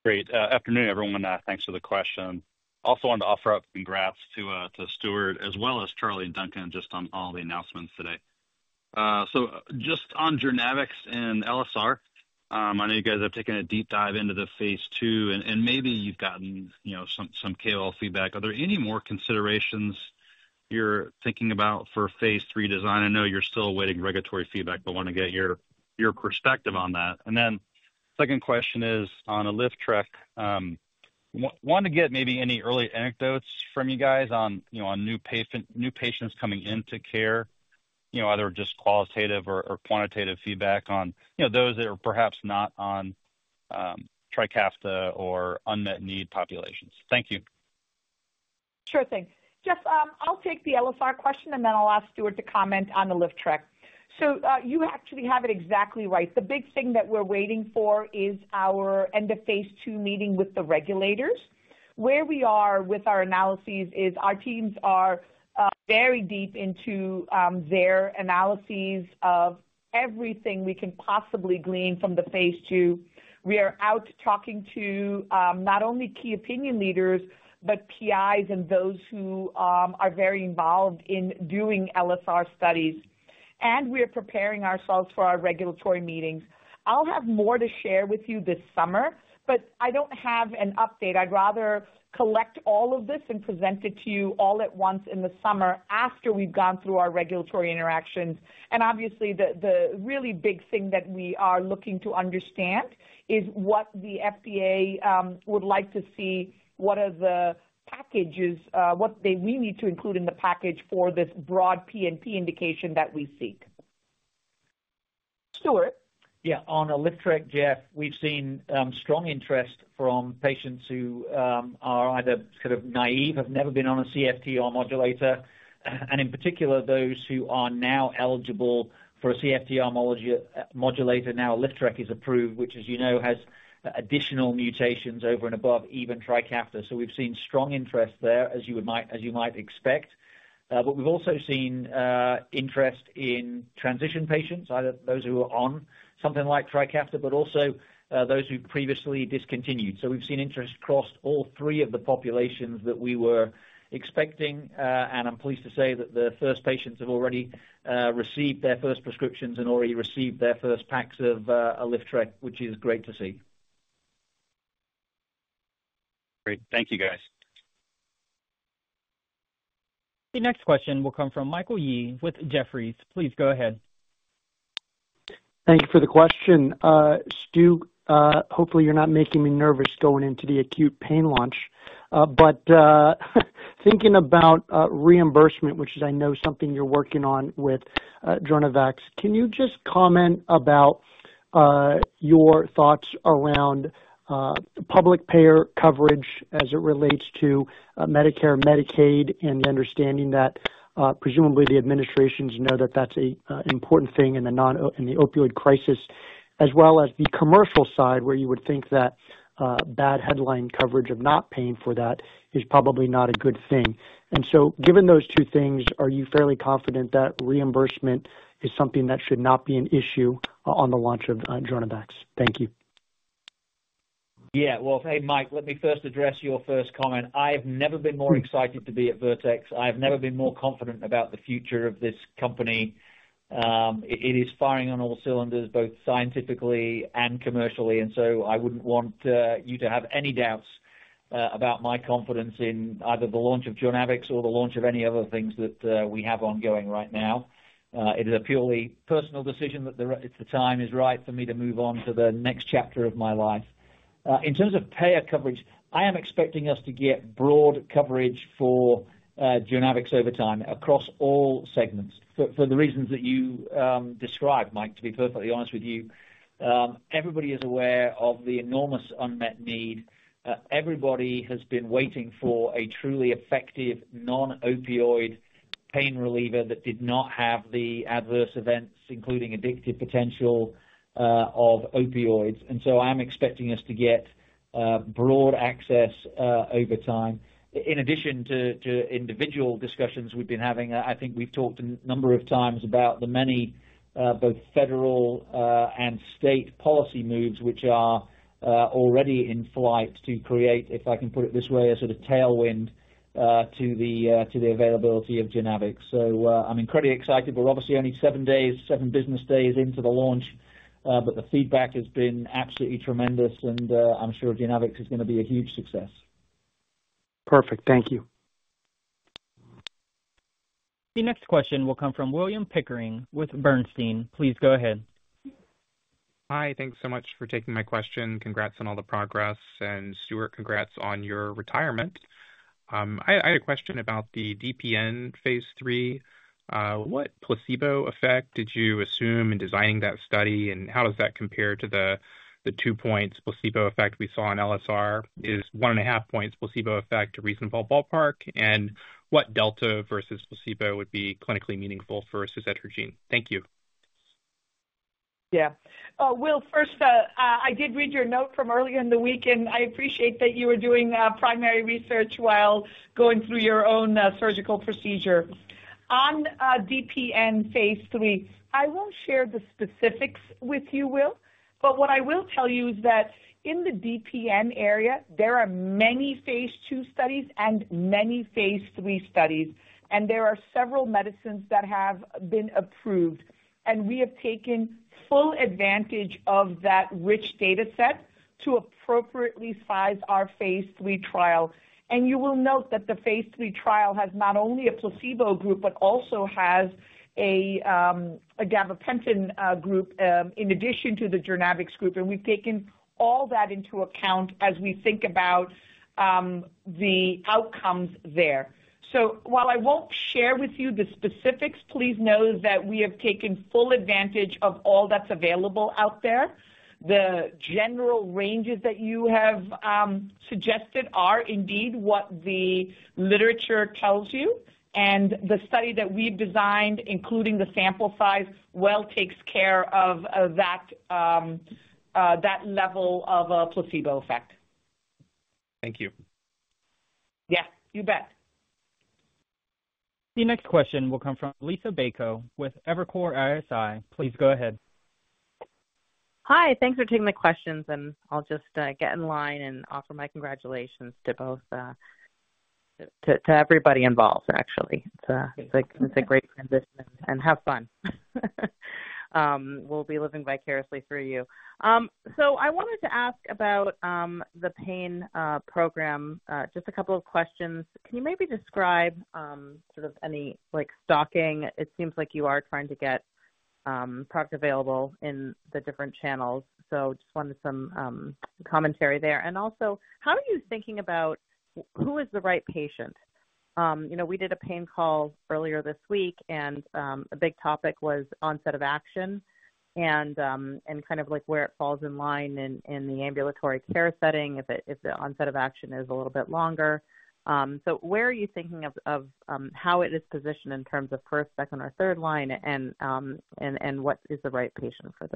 Good afternoon, everyone. Thanks for the question. Also wanted to offer up congrats to Stuart as well as Charlie and Duncan just on all the announcements today. So just on Jurnavics and LSR, I know you guys have taken a deep dive into the Phase 2, and maybe you've gotten some KOL feedback. Are there any more considerations you're thinking about for Phase 3 design? I know you're still awaiting regulatory feedback, but want to get your perspective on that. And then second question is on Alyftrek. Want to get maybe any early anecdotes from you guys on new patients coming into care, either just qualitative or quantitative feedback on those that are perhaps not on Trikafta or unmet need populations. Thank you. Sure thing. Geoff, I'll take the LSR question, and then I'll ask Stuart to comment on the Alyftrek. So you actually have it exactly right. The big thing that we're waiting for is our End-of-Phase 2 meeting with the regulators. Where we are with our analyses is our teams are very deep into their analyses of everything we can possibly glean from the Phase 2. We are out talking to not only key opinion leaders but PIs and those who are very involved in doing LSR studies. And we are preparing ourselves for our regulatory meetings. I'll have more to share with you this summer, but I don't have an update. I'd rather collect all of this and present it to you all at once in the summer after we've gone through our regulatory interactions. And obviously, the really big thing that we are looking to understand is what the FDA would like to see, what are the packages, what we need to include in the package for this broad PNP indication that we seek. Stuart. Yeah. On Alyftrek, Jeff, we've seen strong interest from patients who are either sort of naive, have never been on a CFTR modulator, and in particular, those who are now eligible for a CFTR modulator. Now Alyftrek is approved, which, as you know, has additional mutations over and above even Trikafta. So we've seen strong interest there, as you might expect. But we've also seen interest in transition patients, either those who are on something like Trikafta but also those who previously discontinued. So we've seen interest across all three of the populations that we were expecting, and I'm pleased to say that the first patients have already received their first prescriptions and already received their first packs of Alyftrek, which is great to see. Great. Thank you, guys. The next question will come from Michael Yee with Jefferies. Please go ahead. Thank you for the question. Stu, hopefully, you're not making me nervous going into the acute pain launch. But thinking about reimbursement, which is, I know, something you're working on with Jurnavics, can you just comment about your thoughts around public payer coverage as it relates to Medicare, Medicaid, and the understanding that presumably the administrations know that that's an important thing in the opioid crisis, as well as the commercial side where you would think that bad headline coverage of not paying for that is probably not a good thing, and so given those two things, are you fairly confident that reimbursement is something that should not be an issue on the launch of Jurnavics? Thank you. Yeah, well, hey, Mike, let me first address your first comment. I have never been more excited to be at Vertex. I have never been more confident about the future of this company. It is firing on all cylinders, both scientifically and commercially. I wouldn't want you to have any doubts about my confidence in either the launch of Jurnavics or the launch of any other things that we have ongoing right now. It is a purely personal decision that the time is right for me to move on to the next chapter of my life. In terms of payer coverage, I am expecting us to get broad coverage for Jurnavics over time across all segments. For the reasons that you described, Mike, to be perfectly honest with you, everybody is aware of the enormous unmet need. Everybody has been waiting for a truly effective non-opioid pain reliever that did not have the adverse events, including addictive potential of opioids. I'm expecting us to get broad access over time. In addition to individual discussions we've been having, I think we've talked a number of times about the many both federal and state policy moves, which are already in flight to create, if I can put it this way, a sort of tailwind to the availability of Jurnavics. So I'm incredibly excited. We're obviously only seven days, seven business days into the launch, but the feedback has been absolutely tremendous, and I'm sure Jurnavics is going to be a huge success. Perfect. Thank you. The next question will come from William Pickering with Bernstein. Please go ahead. Hi. Thanks so much for taking my question. Congrats on all the progress, and Stuart, congrats on your retirement. I had a question about the DPN Phase 3. What placebo effect did you assume in designing that study, and how does that compare to the two-point placebo effect we saw in LSR? Is one-and-a-half-point placebo effect a reasonable ballpark? And what delta versus placebo would be clinically meaningful versus Suzetrigine? Thank you. Yeah. Will, first, I did read your note from earlier in the week, and I appreciate that you were doing primary research while going through your own surgical procedure. On DPN Phase 3, I won't share the specifics with you, Will, but what I will tell you is that in the DPN area, there are many phase two studies and many Phase 3 studies, and there are several medicines that have been approved, and we have taken full advantage of that rich dataset to appropriately size our Phase 3 trial, and you will note that the Phase 3 trial has not only a placebo group but also has a gabapentin group in addition to the Jurnavics group. And we've taken all that into account as we think about the outcomes there. So while I won't share with you the specifics, please know that we have taken full advantage of all that's available out there. The general ranges that you have suggested are indeed what the literature tells you. And the study that we've designed, including the sample size, well takes care of that level of placebo effect. Thank you. Yeah. You bet. The next question will come from Lisa Bayko with Evercore ISI. Please go ahead. Hi. Thanks for taking the questions. And I'll just get in line and offer my congratulations to everybody involved, actually. It's a great transition, and have fun. We'll be living vicariously through you. So I wanted to ask about the pain program, just a couple of questions. Can you maybe describe sort of any stocking? It seems like you are trying to get product available in the different channels. So just wanted some commentary there. And also, how are you thinking about who is the right patient? We did a pain call earlier this week, and a big topic was onset of action and kind of where it falls in line in the ambulatory care setting if the onset of action is a little bit longer. So where are you thinking of how it is positioned in terms of first, second, or third line, and what is the right patient for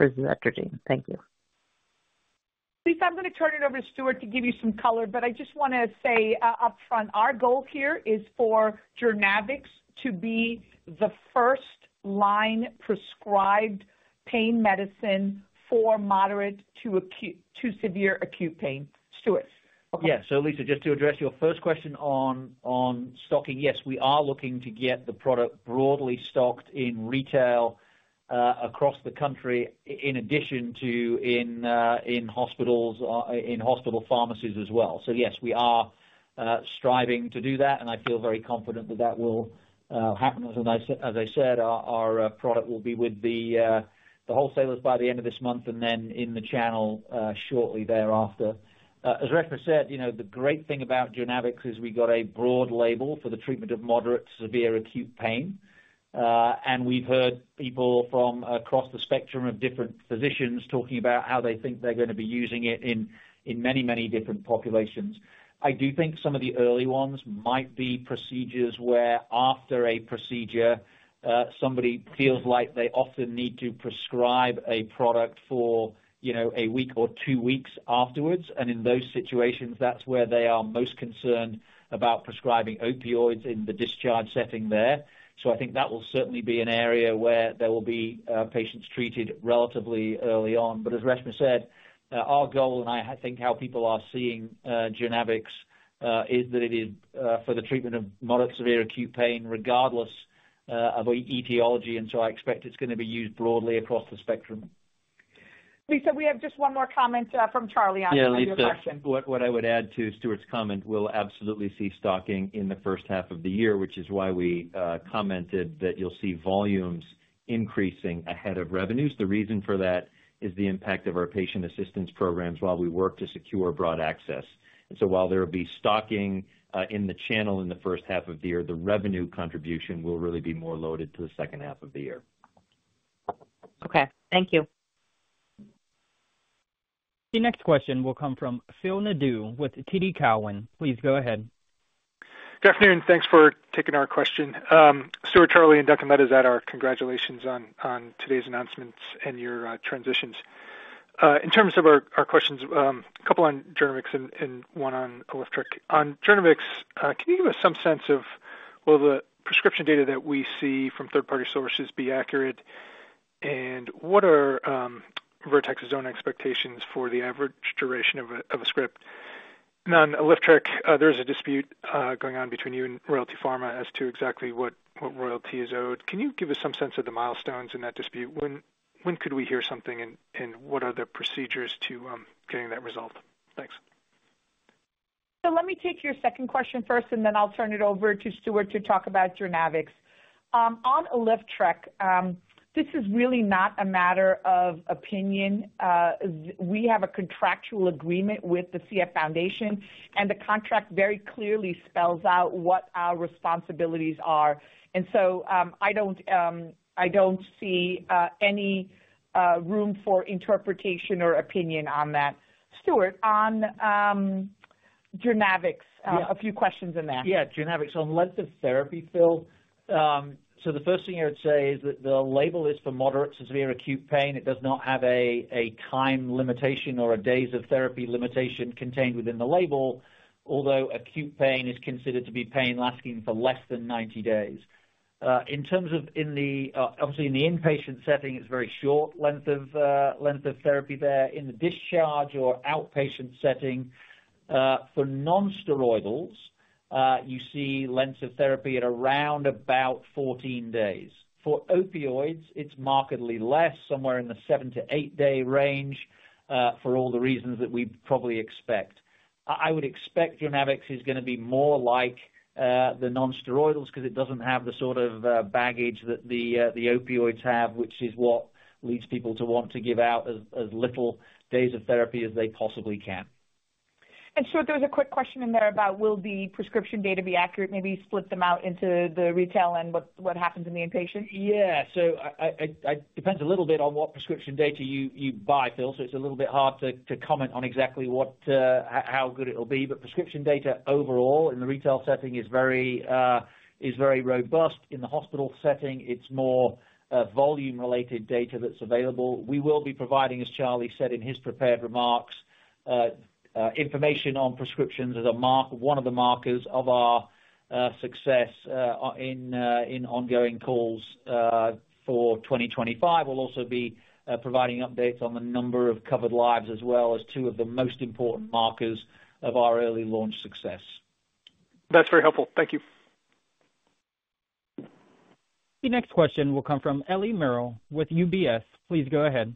suzetrigine? Thank you. Lisa, I'm going to turn it over to Stuart to give you some color, but I just want to say upfront, our goal here is for Jurnavics to be the first-line prescribed pain medicine for moderate to severe acute pain. Stuart. Yeah. So Lisa, just to address your first question on stocking, yes, we are looking to get the product broadly stocked in retail across the country in addition to in hospitals, in hospital pharmacies as well. So yes, we are striving to do that, and I feel very confident that that will happen. As I said, our product will be with the wholesalers by the end of this month and then in the channel shortly thereafter. As Reshma said, the great thing about Jurnavics is we got a broad label for the treatment of moderate to severe acute pain. And we've heard people from across the spectrum of different physicians talking about how they think they're going to be using it in many, many different populations. I do think some of the early ones might be procedures where after a procedure, somebody feels like they often need to prescribe a product for a week or two weeks afterwards. In those situations, that's where they are most concerned about prescribing opioids in the discharge setting there. So I think that will certainly be an area where there will be patients treated relatively early on. But as Reshma said, our goal, and I think how people are seeing Jurnavics, is that it is for the treatment of moderate to severe acute pain regardless of etiology. And so I expect it's going to be used broadly across the spectrum. Lisa, we have just one more comment from Charlie on the question. Yeah. Lisa, what I would add to Stuart's comment, we'll absolutely see stocking in the first half of the year, which is why we commented that you'll see volumes increasing ahead of revenues. The reason for that is the impact of our patient assistance programs while we work to secure broad access. And so while there will be stocking in the channel in the first half of the year, the revenue contribution will really be more loaded to the second half of the year. Okay. Thank you. The next question will come from Phil Nadeau with TD Cowen. Please go ahead. Good afternoon. Thanks for taking our question. Stuart, Charlie, and Dr. Reshma, congratulations on today's announcements and your transitions. In terms of our questions, a couple on Jurnavics and one on Alyftrek. On Jurnavics, can you give us some sense of will the prescription data that we see from third-party sources be accurate? And what are Vertex's own expectations for the average duration of a script? And on Alyftrek, there is a dispute going on between you and Royalty Pharma as to exactly what royalty is owed. Can you give us some sense of the milestones in that dispute? When could we hear something, and what are the procedures to getting that resolved? Thanks. So let me take your second question first, and then I'll turn it over to Stuart to talk about Jurnavics. On Alyftrek, this is really not a matter of opinion. We have a contractual agreement with the CF Foundation, and the contract very clearly spells out what our responsibilities are. And so I don't see any room for interpretation or opinion on that. Stuart, on Jurnavics, a few questions in there. Yeah. Jurnavics, on length of therapy, Phil. So the first thing I would say is that the label is for moderate to severe acute pain. It does not have a time limitation or a days of therapy limitation contained within the label, although acute pain is considered to be pain lasting for less than 90 days. In terms of, obviously, in the inpatient setting, it's very short length of therapy there. In the discharge or outpatient setting, for nonsteroidals, you see length of therapy at around about 14 days. For opioids, it's markedly less, somewhere in the seven to eight-day range for all the reasons that we probably expect. I would expect Jurnavics is going to be more like the nonsteroidals because it doesn't have the sort of baggage that the opioids have, which is what leads people to want to give out as little days of therapy as they possibly can. And Stuart, there was a quick question in there about, will the prescription data be accurate? Maybe split them out into the retail and what happens in the inpatient? Yeah. So it depends a little bit on what prescription data you buy, Phil. So it's a little bit hard to comment on exactly how good it'll be. But prescription data overall in the retail setting is very robust. In the hospital setting, it's more volume-related data that's available. We will be providing, as Charlie said in his prepared remarks, information on prescriptions as one of the markers of our success in ongoing calls for 2025. We'll also be providing updates on the number of covered lives as well as two of the most important markers of our early launch success. That's very helpful. Thank you. The next question will come from Eliana Merle with UBS. Please go ahead.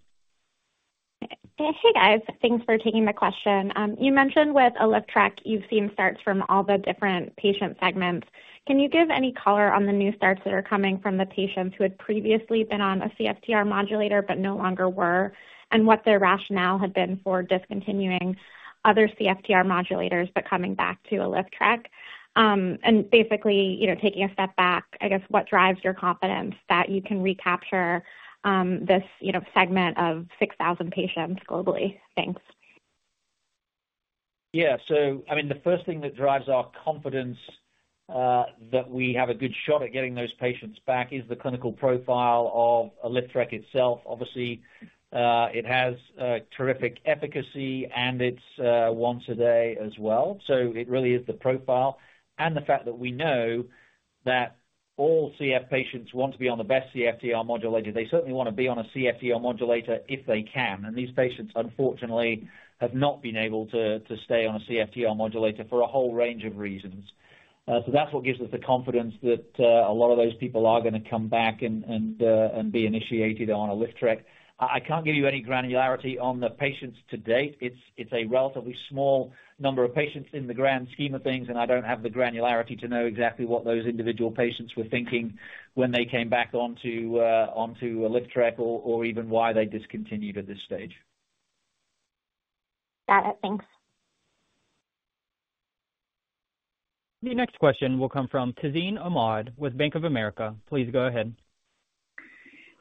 Hey, guys. Thanks for taking the question. You mentioned with Alyftrek, you've seen starts from all the different patient segments. Can you give any color on the new starts that are coming from the patients who had previously been on a CFTR modulator but no longer were, and what their rationale had been for discontinuing other CFTR modulators but coming back to Alyftrek? And basically, taking a step back, I guess, what drives your confidence that you can recapture this segment of 6,000 patients globally? Thanks. Yeah. So I mean, the first thing that drives our confidence that we have a good shot at getting those patients back is the clinical profile of Alyftrek itself. Obviously, it has terrific efficacy, and it's once a day as well. So it really is the profile and the fact that we know that all CF patients want to be on the best CFTR modulator. They certainly want to be on a CFTR modulator if they can. And these patients, unfortunately, have not been able to stay on a CFTR modulator for a whole range of reasons. So that's what gives us the confidence that a lot of those people are going to come back and be initiated on Alyftrek. I can't give you any granularity on the patients to date. It's a relatively small number of patients in the grand scheme of things, and I don't have the granularity to know exactly what those individual patients were thinking when they came back onto Alyftrek or even why they discontinued at this stage. Got it. Thanks. The next question will come from Tazeen Ahmad with Bank of America. Please go ahead.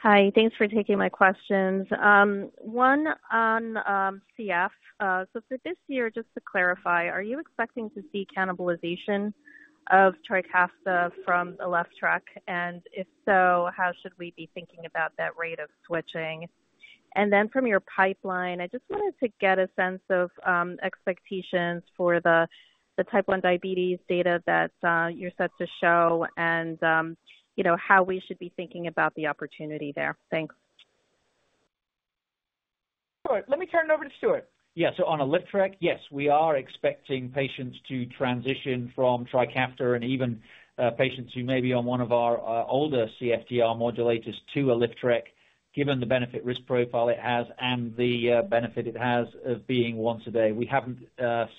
Hi. Thanks for taking my questions. One on CF. So for this year, just to clarify, are you expecting to see cannibalization of Trikafta from Alyftrek? And if so, how should we be thinking about that rate of switching? And then from your pipeline, I just wanted to get a sense of expectations for the Type 1 diabetes data that you're set to show and how we should be thinking about the opportunity there. Thanks. Stuart, let me turn it over to Stuart. Yeah. On Alyftrek, yes, we are expecting patients to transition from Trikafta and even patients who may be on one of our older CFTR modulators to Alyftrek, given the benefit-risk profile it has and the benefit it has of being once a day. We haven't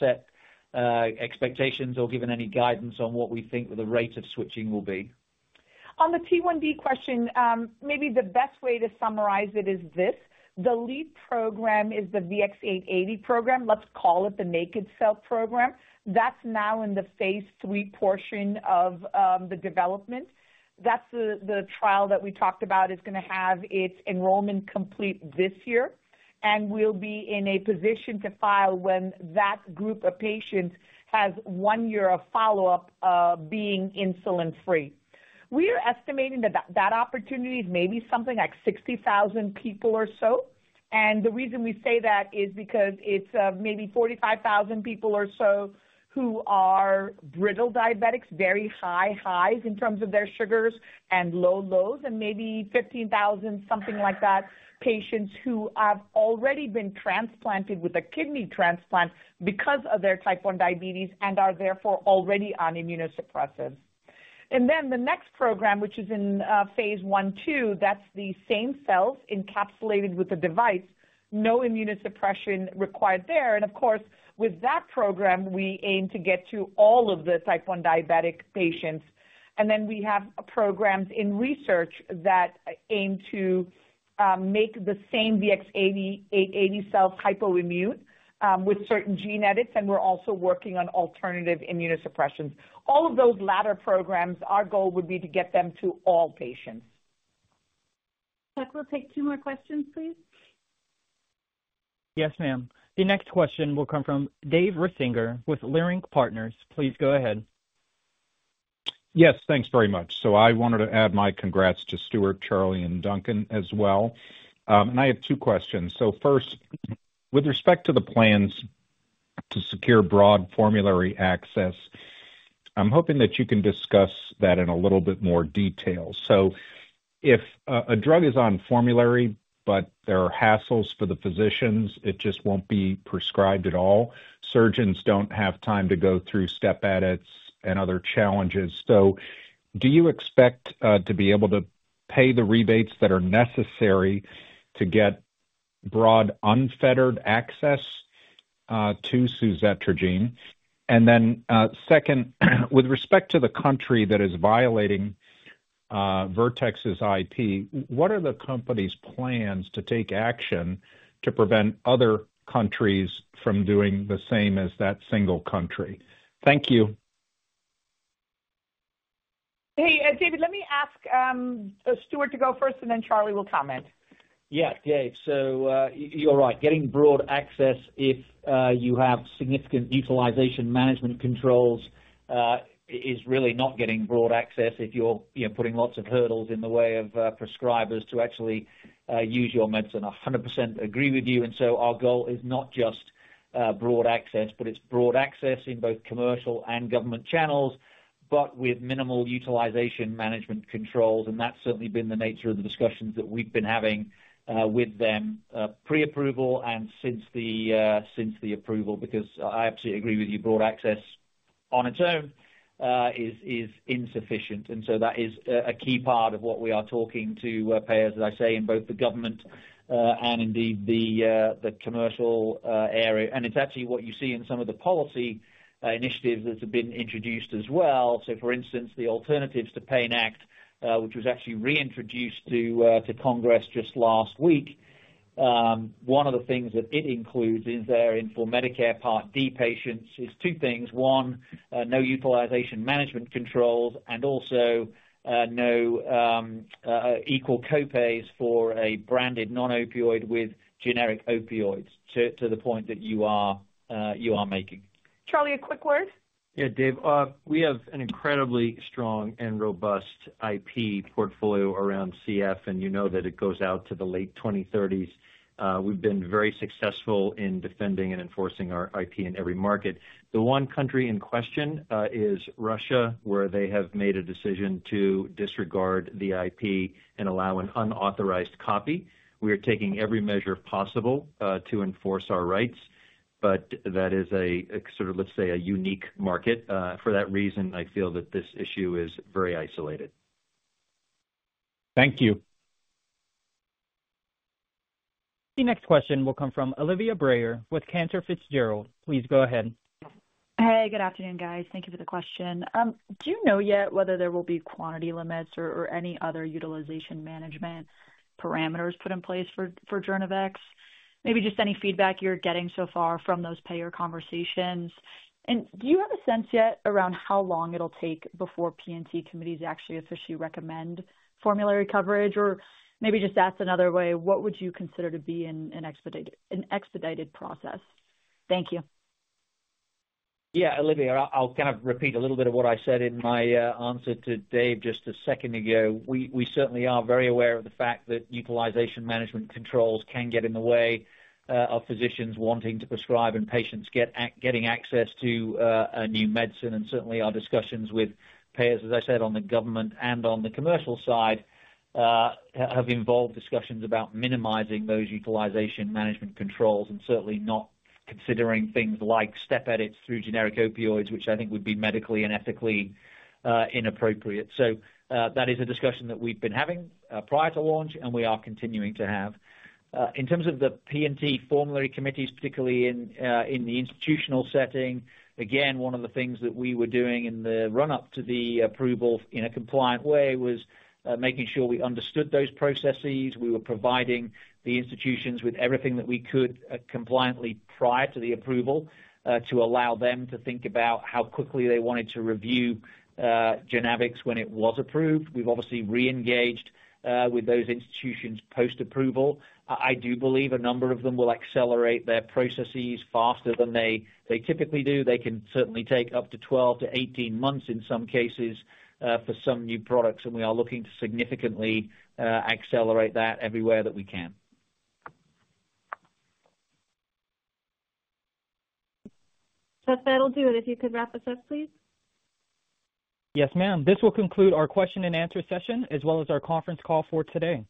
set expectations or given any guidance on what we think the rate of switching will be. On the T1D question, maybe the best way to summarize it is this: the lead program is the VX-880 program. Let's call it the naked cell program. That's now in the Phase 3 portion of the development. That's the trial that we talked about is going to have its enrollment complete this year. And we'll be in a position to file when that group of patients has one year of follow-up being insulin-free. We are estimating that that opportunity is maybe something like 60,000 people or so. The reason we say that is because it's maybe 45,000 people or so who are brittle diabetics, very high highs in terms of their sugars and low lows, and maybe 15,000, something like that, patients who have already been transplanted with a kidney transplant because of their Type 1 diabetes and are therefore already on immunosuppressants. The next program, which is in Phase 1/2, that's the same cells encapsulated with a device, no immunosuppression required there. Of course, with that program, we aim to get to all of the Type 1 diabetic patients. We have programs in research that aim to make the same VX-880 cells hypoimmune with certain gene edits, and we're also working on alternative immunosuppressants. All of those latter programs, our goal would be to get them to all patients. Chuck, we'll take two more questions, please. Yes, ma'am. The next question will come from Dave Risinger with Leerink Partners. Please go ahead. Yes. Thanks very much. So I wanted to add my congrats to Stuart, Charlie, and Duncan as well. And I have two questions. So first, with respect to the plans to secure broad formulary access, I'm hoping that you can discuss that in a little bit more detail. So if a drug is on formulary, but there are hassles for the physicians, it just won't be prescribed at all. Surgeons don't have time to go through step edits and other challenges. So do you expect to be able to pay the rebates that are necessary to get broad unfettered access to Suzetrigine? And then second, with respect to the country that is violating Vertex's IP, what are the company's plans to take action to prevent other countries from doing the same as that single country? Thank you. Hey, David, let me ask Stuart to go first, and then Charlie will comment. Yeah. Dave, so you're right. Getting broad access if you have significant utilization management controls is really not getting broad access if you're putting lots of hurdles in the way of prescribers to actually use your medicine. I 100% agree with you. Our goal is not just broad access, but it's broad access in both commercial and government channels, but with minimal utilization management controls. That's certainly been the nature of the discussions that we've been having with them pre-approval and since the approval, because I absolutely agree with you, broad access on its own is insufficient. That is a key part of what we are talking to payers, as I say, in both the government and indeed the commercial area. It's actually what you see in some of the policy initiatives that have been introduced as well. For instance, the Alternatives to PAIN Act, which was actually reintroduced to Congress just last week, one of the things that it includes in there for Medicare Part D patients is two things. One, no utilization management controls, and also no equal copays for a branded non-opioid with generic opioids to the point that you are making. Charlie, a quick word? Yeah. Dave, we have an incredibly strong and robust IP portfolio around CF, and you know that it goes out to the late 2030s. We've been very successful in defending and enforcing our IP in every market. The one country in question is Russia, where they have made a decision to disregard the IP and allow an unauthorized copy. We are taking every measure possible to enforce our rights, but that is a sort of, let's say, a unique market. For that reason, I feel that this issue is very isolated. Thank you. The next question will come from Olivia Brayer with Cantor Fitzgerald. Please go ahead. Hey, good afternoon, guys. Thank you for the question. Do you know yet whether there will be quantity limits or any other utilization management parameters put in place for Jurnavics? Maybe just any feedback you're getting so far from those payer conversations. And do you have a sense yet around how long it'll take before P&T committees actually officially recommend formulary coverage? Or maybe just ask another way, what would you consider to be an expedited process? Thank you. Yeah. Olivia, I'll kind of repeat a little bit of what I said in my answer to Dave just a second ago. We certainly are very aware of the fact that utilization management controls can get in the way of physicians wanting to prescribe and patients getting access to a new medicine. And certainly, our discussions with payers, as I said, on the government and on the commercial side have involved discussions about minimizing those utilization management controls and certainly not considering things like step edits through generic opioids, which I think would be medically and ethically inappropriate. So that is a discussion that we've been having prior to launch, and we are continuing to have. In terms of the P&T formulary committees, particularly in the institutional setting, again, one of the things that we were doing in the run-up to the approval in a compliant way was making sure we understood those processes. We were providing the institutions with everything that we could compliantly prior to the approval to allow them to think about how quickly they wanted to review Jurnavics when it was approved. We've obviously re-engaged with those institutions post-approval. I do believe a number of them will accelerate their processes faster than they typically do. They can certainly take up to 12 to 18 months in some cases for some new products, and we are looking to significantly accelerate that everywhere that we can. Charlie, that'll do it. If you could wrap us up, please. Yes, ma'am. This will conclude our question-and-answer session as well as our conference call for today.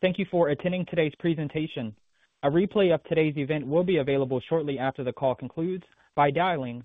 Thank you for attending today's presentation. A replay of today's event will be available shortly after the call concludes by dialing.